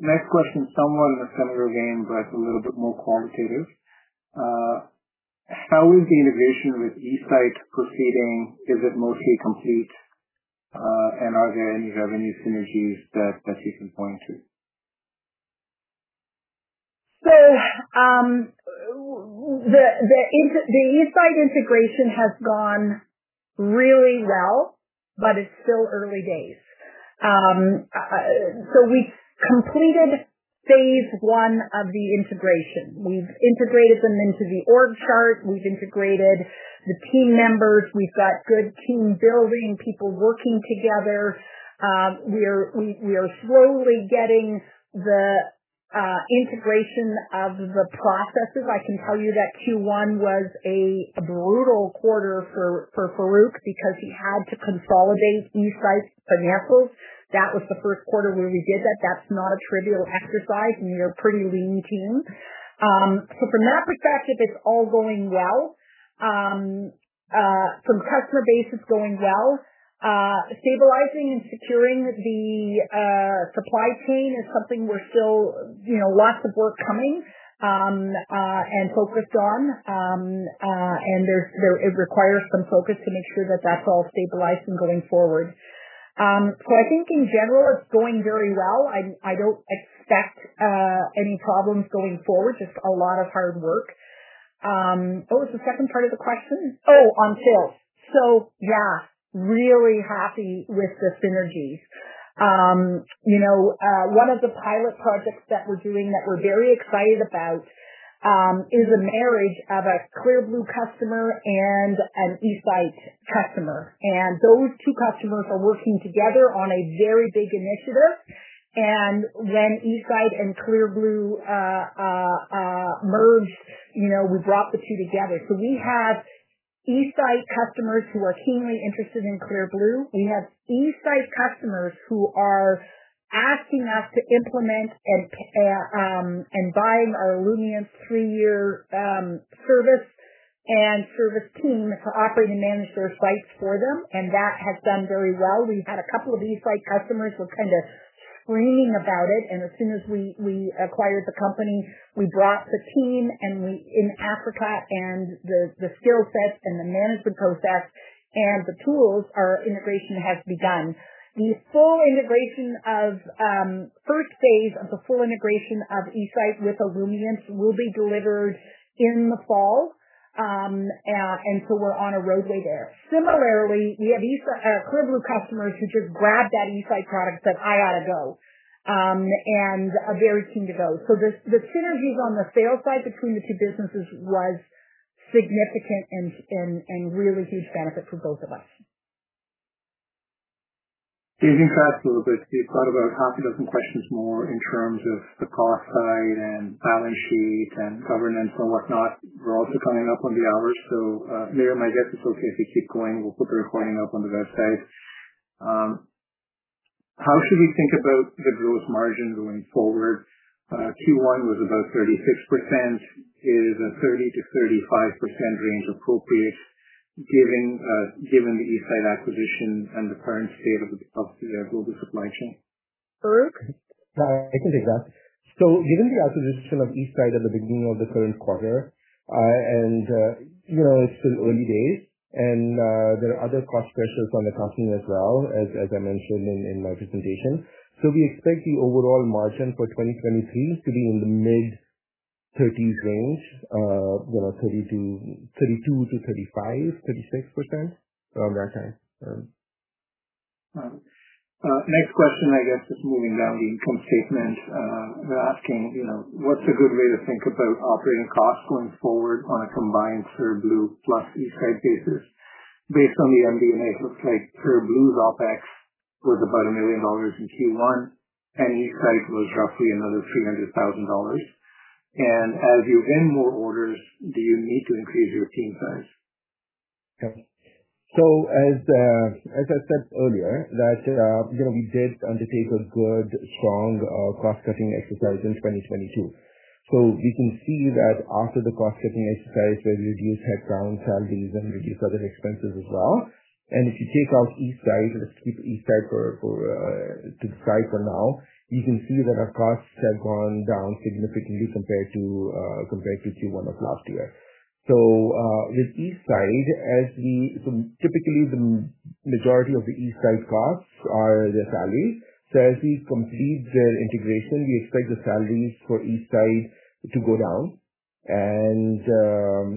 Next question, somewhat in a similar vein, but a little bit more quantitative. How is the integration with eSite proceeding? Is it mostly complete, and are there any revenue synergies that you can point to? The eSite integration has gone really well, but it's still early days. We completed phase one of the integration. We've integrated them into the org chart. We've integrated the team members. We've got good team building, people working together. We are slowly getting the integration of the processes. I can tell you that Q1 was a brutal quarter for Farrukh because he had to consolidate eSite's financials. That was the first quarter where we did that. That's not a trivial exercise, and we are a pretty lean team. From that perspective, it's all going well. From customer base, it's going well. Stabilizing and securing the supply chain is something we're still, you know, lots of work coming and focused on. And there's, it requires some focus to make sure that that's all stabilized and going forward. I think in general, it's going very well. I don't expect any problems going forward, just a lot of hard work. What was the second part of the question? Oh, on sales. Yeah, really happy with the synergies. You know, one of the pilot projects that we're doing that we're very excited about, is a marriage of a Clear Blue customer and an eSite customer. Those two customers are working together on a very big initiative. When eSite and Clear Blue merged, you know, we brought the two together. We have eSite customers who are keenly interested in Clear Blue. We have eSite customers who are asking us to implement and buy our Illumience's three-year service and service team to operate and manage their sites for them. That has done very well. We've had a couple of eSite customers who are kind of screaming about it. As soon as we acquired the company, we brought the team, in Africa and the skill sets and the management process and the tools, our integration has begun. The full integration of first phase of the full integration of eSite with Illumient will be delivered in the fall. We're on a roadway there. Similarly, we have eSite Clear Blue customers who just grabbed that eSite product, said, "I ought to go," and are very keen to go. The synergies on the sales side between the two businesses was significant and really huge benefit for both of us. You can fast a little bit. We've got about half a dozen questions more in terms of the cost side and balance sheet and governance and whatnot. We're also coming up on the hour, you know, my guess is okay if we keep going, we'll put the recording up on the website. How should we think about the gross margin going forward? Q1 was about 36%. Is a 30%-35% range appropriate, given the eSite acquisition and the current state of the global supply chain? Farrukh? I can take that. Given the acquisition of eSite at the beginning of the current quarter, and, you know, it's still early days, and there are other cost pressures on the company as well, as I mentioned in my presentation. We expect the overall margin for 2023 to be in the mid-thirties range, you know, 30% to, 32% to 35%, 36%, around that time. Next question, I guess, just moving down the income statement, they're asking, you know, what's a good way to think about operating costs going forward on a combined Clear Blue plus eSite basis? Based on the MD&A, it looks like Clear Blue's OpEx was about 1 million dollars in Q1, and eSite was roughly another 300,000 dollars. As you win more orders, do you need to increase your team size? As I said earlier, you know, we did undertake a good, strong cost cutting exercise in 2022. You can see that after the cost cutting exercise, we reduced headcount salaries and reduced other expenses as well. If you take out eSite, let's keep eSite for to the side for now, you can see that our costs have gone down significantly compared to Q1 of last year. With eSite, as we typically, the majority of the eSite costs are the salaries. As we complete their integration, we expect the salaries for eSite to go down.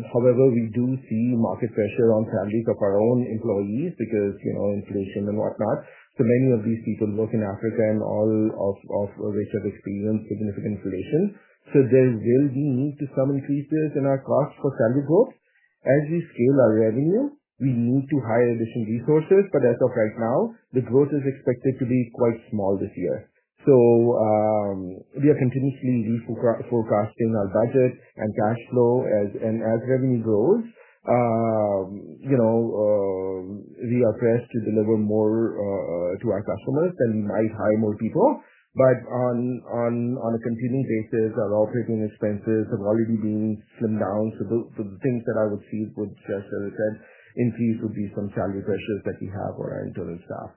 However, we do see market pressure on salaries of our own employees because, you know, inflation and whatnot. Many of these people work in Africa and all of which have experienced significant inflation. There will be need to some increases in our cost for salary growth. As we scale our revenue, we need to hire additional resources, but as of right now, the growth is expected to be quite small this year. We are continuously forecasting our budget and cash flow as, and as revenue grows. You know, we are pressed to deliver more to our customers, and we might hire more people. On a continuing basis, our operating expenses have already been slimmed down. The things that I would see, would, just as I said, increase would be some salary pressures that we have on our internal staff.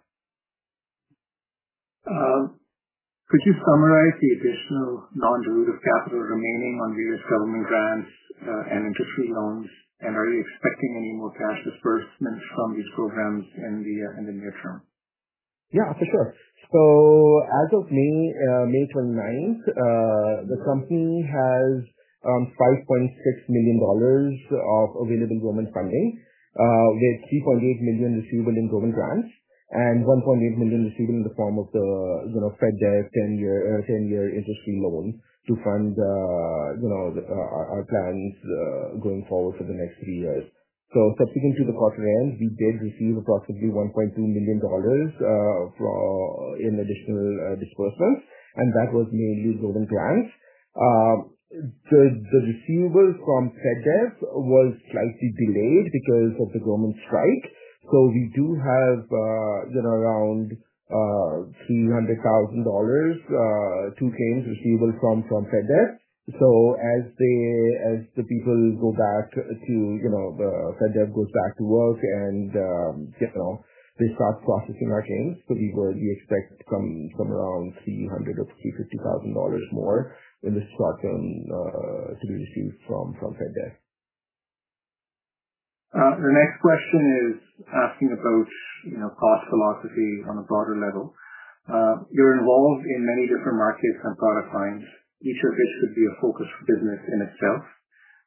Could you summarize the additional non-derivable capital remaining on the U.S. government grants, and interest-free loans? Are you expecting any more cash disbursements from these programs in the near term? Yeah, for sure. As of May 29, the company has 5.6 million dollars of available government funding, with 3.8 million receivable in government grants and 1.8 million receivable in the form of the, you know, FedDev 10-year interest-free loan to fund, you know, our plans going forward for the next three years. Subsequent to the quarter end, we did receive approximately 1.2 million dollars in additional disbursements, and that was mainly government grants. The receivables from FedDev was slightly delayed because of the government strike. We do have, you know, around CAD 300,000, two claims receivable from FedDev. As the people go back to, you know, the FedDev goes back to work and, you know, they start processing our claims, so we will, we expect some around 300,000- 350,000 more in the short term, to be received from FedDev. The next question is asking about, you know, cost philosophy on a broader level. You're involved in many different markets and product lines. Each of which could be a focused business in itself.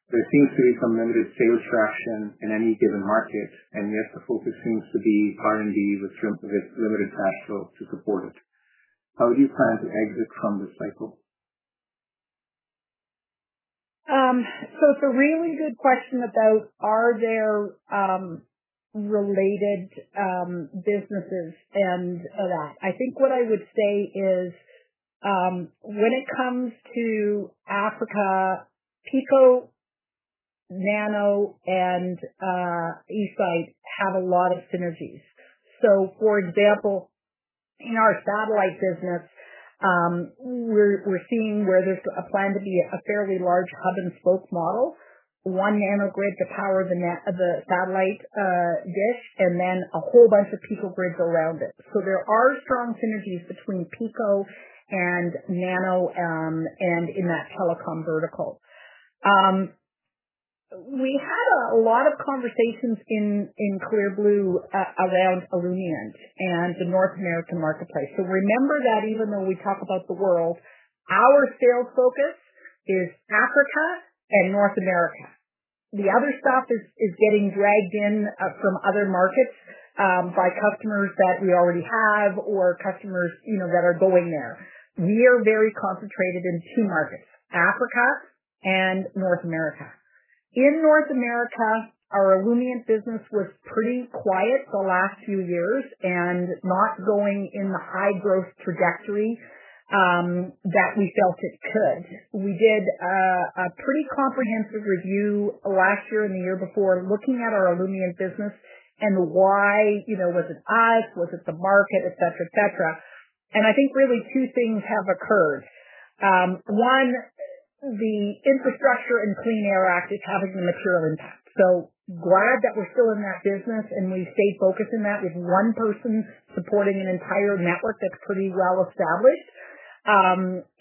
There seems to be some limited sales traction in any given market, and yet the focus seems to be R&D with limited cash flow to support it. How do you plan to exit from this cycle? It's a really good question about are there related businesses and a lot. I think what I would say is, when it comes to Africa, Pico, Nano, and eSite have a lot of synergies. For example, in our satellite business, we're seeing where there's a plan to be a fairly large hub and spoke model. One Nano-Grid to power the satellite dish, and then a whole bunch of Pico-Grids around it. There are strong synergies between Pico and Nano, and in that telecom vertical. We had a lot of conversations in Clear Blue around Illumient and the North American marketplace. Remember that even though we talk about the world, our sales focus is Africa and North America. The other stuff is getting dragged in from other markets by customers that we already have or customers, you know, that are going there. We are very concentrated in two markets, Africa and North America. In North America, our Illumient business was pretty quiet the last few years and not going in the high growth trajectory that we felt it could. We did a pretty comprehensive review last year and the year before, looking at our Illumient business and why, you know, was it us, was it the market, et cetera, et cetera. I think really two things have occurred. One, the Infrastructure Clean Air Act, it's having a material impact. Glad that we're still in that business, and we stay focused in that with 1 person supporting an entire network that's pretty well established,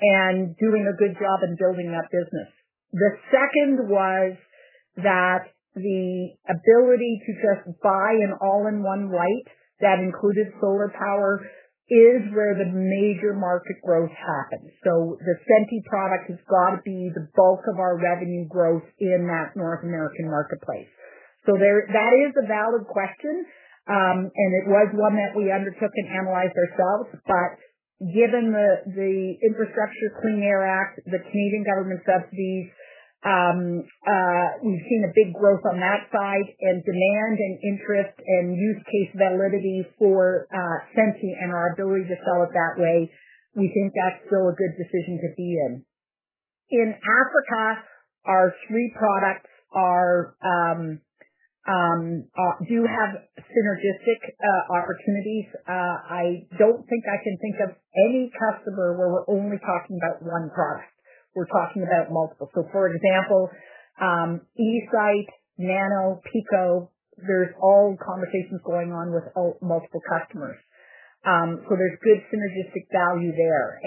and doing a good job in building that business. The second was that the ability to just buy an all-in-one light that included solar power is where the major market growth happens. The Senti product has got to be the bulk of our revenue growth in that North American marketplace. That is a valid question, and it was one that we undertook and analyzed ourselves, but given the Infrastructure Clean Air Act, the Canadian government subsidies, we've seen a big growth on that side and demand and interest and use case validity for Senti and our ability to sell it that way, we think that's still a good decision to be in. In Africa, our three products do have synergistic opportunities. I don't think I can think of any customer where we're only talking about one product. We're talking about multiple. For example, eSight, Nano, Pico, there's all conversations going on with all multiple customers. There's good synergistic value there.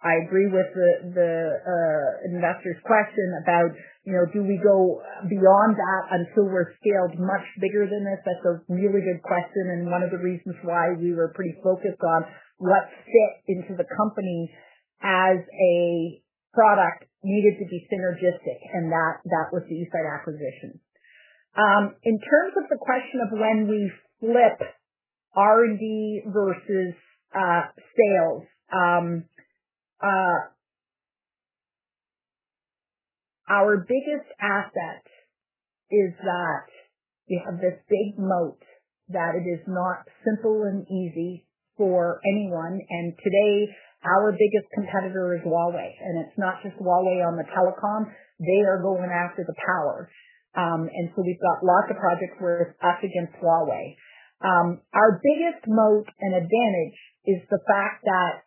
I agree with the investor's question about, you know, do we go beyond that until we're scaled much bigger than this? That's a really good question, and one of the reasons why we were pretty focused on what fit into the company as a product needed to be synergistic, and that was the eSight acquisition. In terms of the question of when we flip R&D versus sales, our biggest asset is that we have this big moat, that it is not simple and easy for anyone. Today, our biggest competitor is Huawei, and it's not just Huawei on the telecom. They are going after the power. So we've got lots of projects where it's us against Huawei. Our biggest moat and advantage is the fact that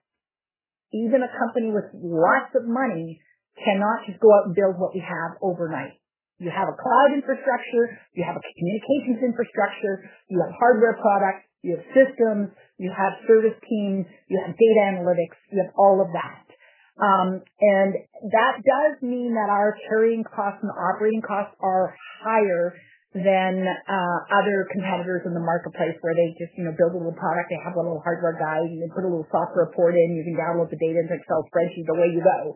even a company with lots of money cannot just go out and build what we have overnight. You have a cloud infrastructure, you have a communications infrastructure, you have hardware products, you have systems, you have service teams, you have data analytics, you have all of that. That does mean that our carrying costs and operating costs are higher than other competitors in the marketplace, where they just, you know, build a little product. They have a little hardware guy, you put a little software port in, you can download the data into Excel spreadsheet, away you go.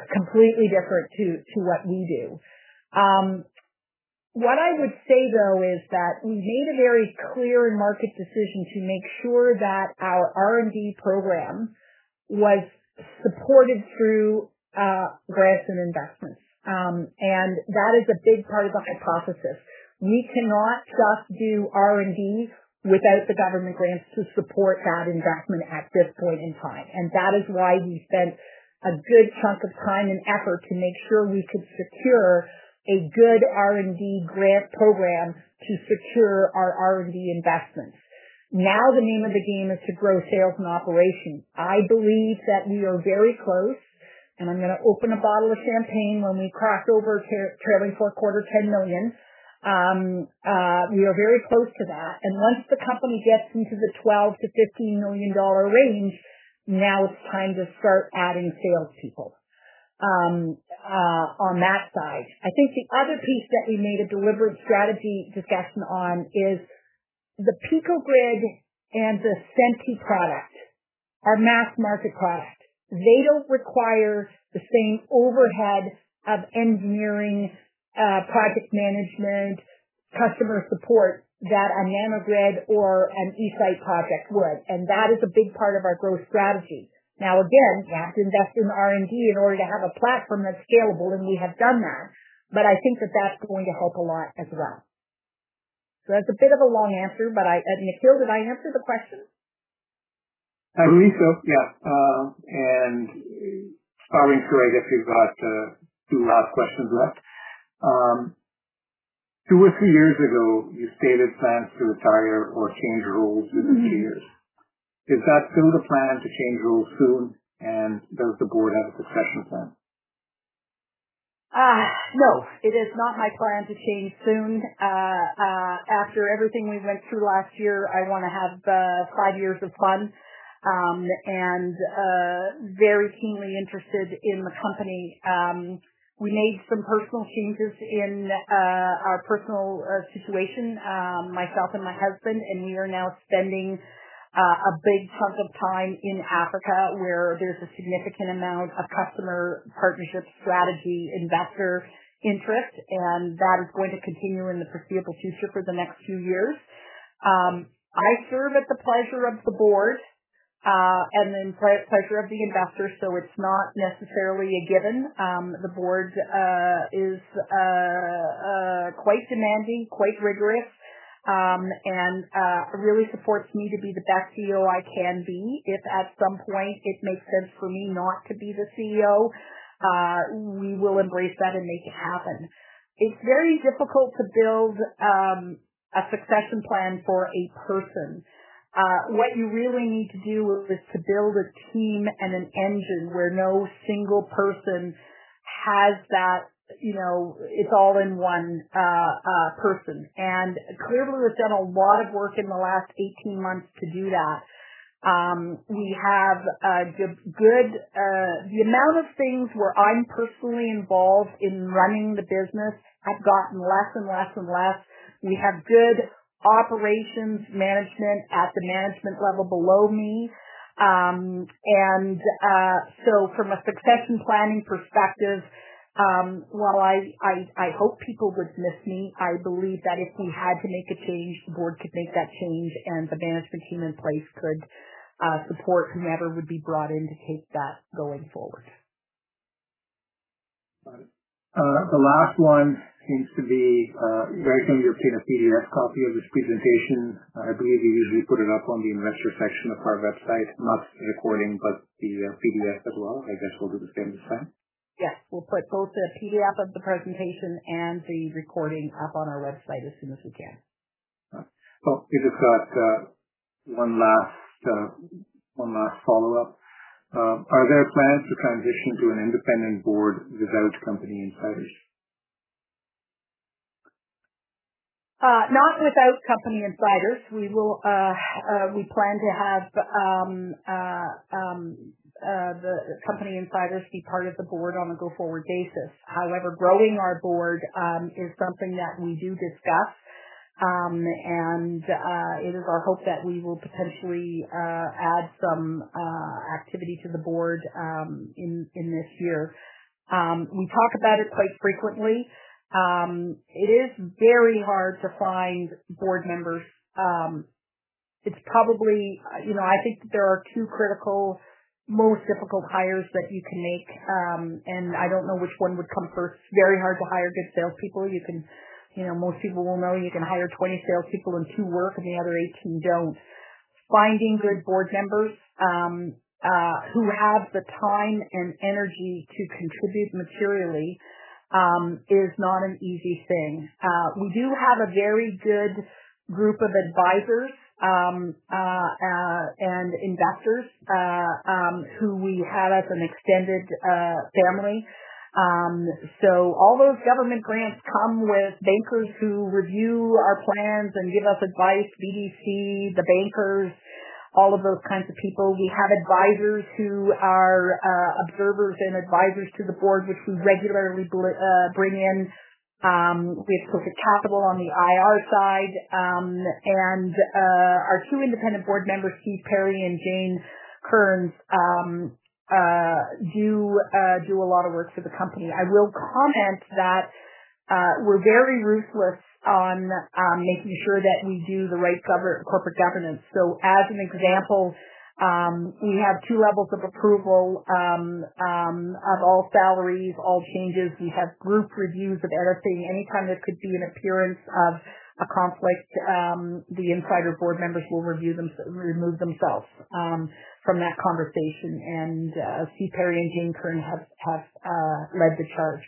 It's completely different to what we do. What I would say, though, is that we made a very clear market decision to make sure that our R&D program was supported through grants and investments. That is a big part of the hypothesis. We cannot just do R&D without the government grants to support that investment at this point in time, and that is why we spent a good chunk of time and effort to make sure we could secure a good R&D grant program to secure our R&D investments. Now, the name of the game is to grow sales and operations. I believe that we are very close, and I'm gonna open a bottle of champagne when we cross over to trailing four quarter 10 million. We are very close to that, and once the company gets into the 12- 15 million range, now it's time to start adding sales people on that side. I think the other piece that we made a deliberate strategy discussion on is the Pico-Grid and the Senti product, our mass market product. They don't require the same overhead of engineering, project management, customer support, that a Nano-Grid or an eSite project would, and that is a big part of our growth strategy. Again, we have to invest in R&D in order to have a platform that's scalable, and we have done that, but I think that that's going to help a lot as well. That's a bit of a long answer, but I, Nikhil, did I answer the question? I believe so, yeah. Following through, I guess we've got, two last questions left. Two or three years ago, you stated plans to retire or change roles in a few years. Mm-hmm. Is that still the plan to change roles soon, and does the board have a succession plan? No, it is not my plan to change soon. After everything we went through last year, I wanna have five years of fun, and very keenly interested in the company. We made some personal changes in our personal situation, myself and my husband, and we are now spending a big chunk of time in Africa, where there's a significant amount of customer partnership strategy, investor interest, and that is going to continue in the foreseeable future for the next few years. I serve at the pleasure of the board and the pleasure of the investors, so it's not necessarily a given. The board is quite demanding, quite rigorous, and really supports me to be the best CEO I can be. If at some point it makes sense for me not to be the CEO, we will embrace that and make it happen. It's very difficult to build a succession plan for a person. What you really need to do is to build a team and an engine where no single person has that, you know, it's all in one person. Clearly, we've done a lot of work in the last 18 months to do that. We have a good. The amount of things where I'm personally involved in running the business has gotten less and less and less. We have good operations management at the management level below me. From a succession planning perspective, while I hope people would miss me, I believe that if we had to make a change, the board could make that change, and the management team in place could support whoever would be brought in to take that going forward. The last one seems to be very soon you'll get a PDF copy of this presentation. I believe we usually put it up on the investor section of our website, not the recording, but the PDF as well. I guess we'll do the same this time. Yes, we'll put both the PDF of the presentation and the recording up on our website as soon as we can. Well, I just got one last follow-up. Are there plans to transition to an independent board without company insiders? Not without company insiders. We will, we plan to have the company insiders be part of the board on a go-forward basis. However, growing our board is something that we do discuss, and it is our hope that we will potentially add some activity to the board in this year. We talk about it quite frequently. It is very hard to find board members. It's probably, you know, I think that there are two critical, most difficult hires that you can make. I don't know which one would come first. It's very hard to hire good salespeople. You know, most people will know you can hire 20 salespeople, and two work, and the other 18 don't. Finding good board members who have the time and energy to contribute materially is not an easy thing. We do have a very good group of advisors and investors who we have as an extended family. All those government grants come with bankers who review our plans and give us advice, BDC, the bankers, all of those kinds of people. We have advisors who are observers and advisors to the board, which we regularly bring in. We have Sophic Capital on the IR side, and our two independent board members, Steve Parry and Jane Kearns, do a lot of work for the company. I will comment that we're very ruthless on making sure that we do the right corporate governance. As an example, we have two levels of approval of all salaries, all changes. We have group reviews of everything. Anytime there could be an appearance of a conflict, the insider board members will remove themselves from that conversation. Steve Parry and Jane Kearns have led the charge.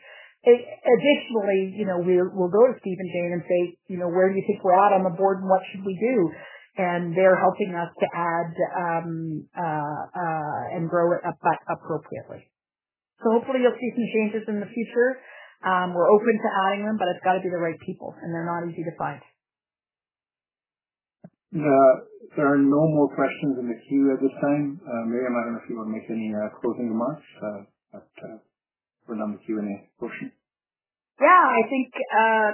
Additionally, you know, we'll go to Steve and Jane and say, "You know, where do you think we're at on the board, and what should we do?" They're helping us to add and grow it appropriately. Hopefully you'll see some changes in the future. We're open to adding them, but it's got to be the right people, and they're not easy to find. There are no more questions in the queue at this time. Miriam, I don't know if you want to make any closing remarks, but we're done with the Q&A portion. Yeah, I think,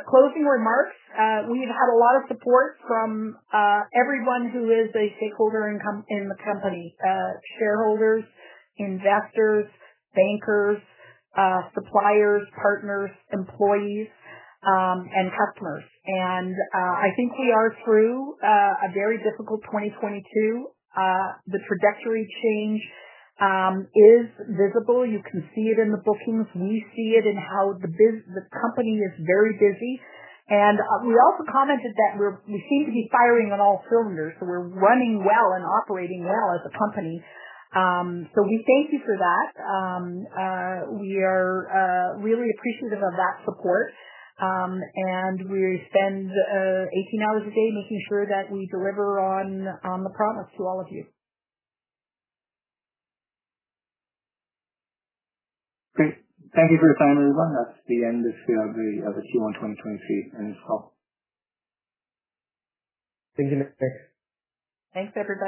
closing remarks, we've had a lot of support from everyone who is a stakeholder in the company, shareholders, investors, bankers, suppliers, partners, employees, and customers. I think we are through a very difficult 2022. The trajectory change is visible. You can see it in the bookings. We see it in how the company is very busy, and we also commented that we're, we seem to be firing on all cylinders, so we're running well and operating well as a company. We thank you for that. We are really appreciative of that support. We spend 18 hours a day making sure that we deliver on the promise to all of you. Great. Thank you for your time, everyone. That's the end of the Q1-2023 Earnings Call. Thank you, next. Thanks, everybody.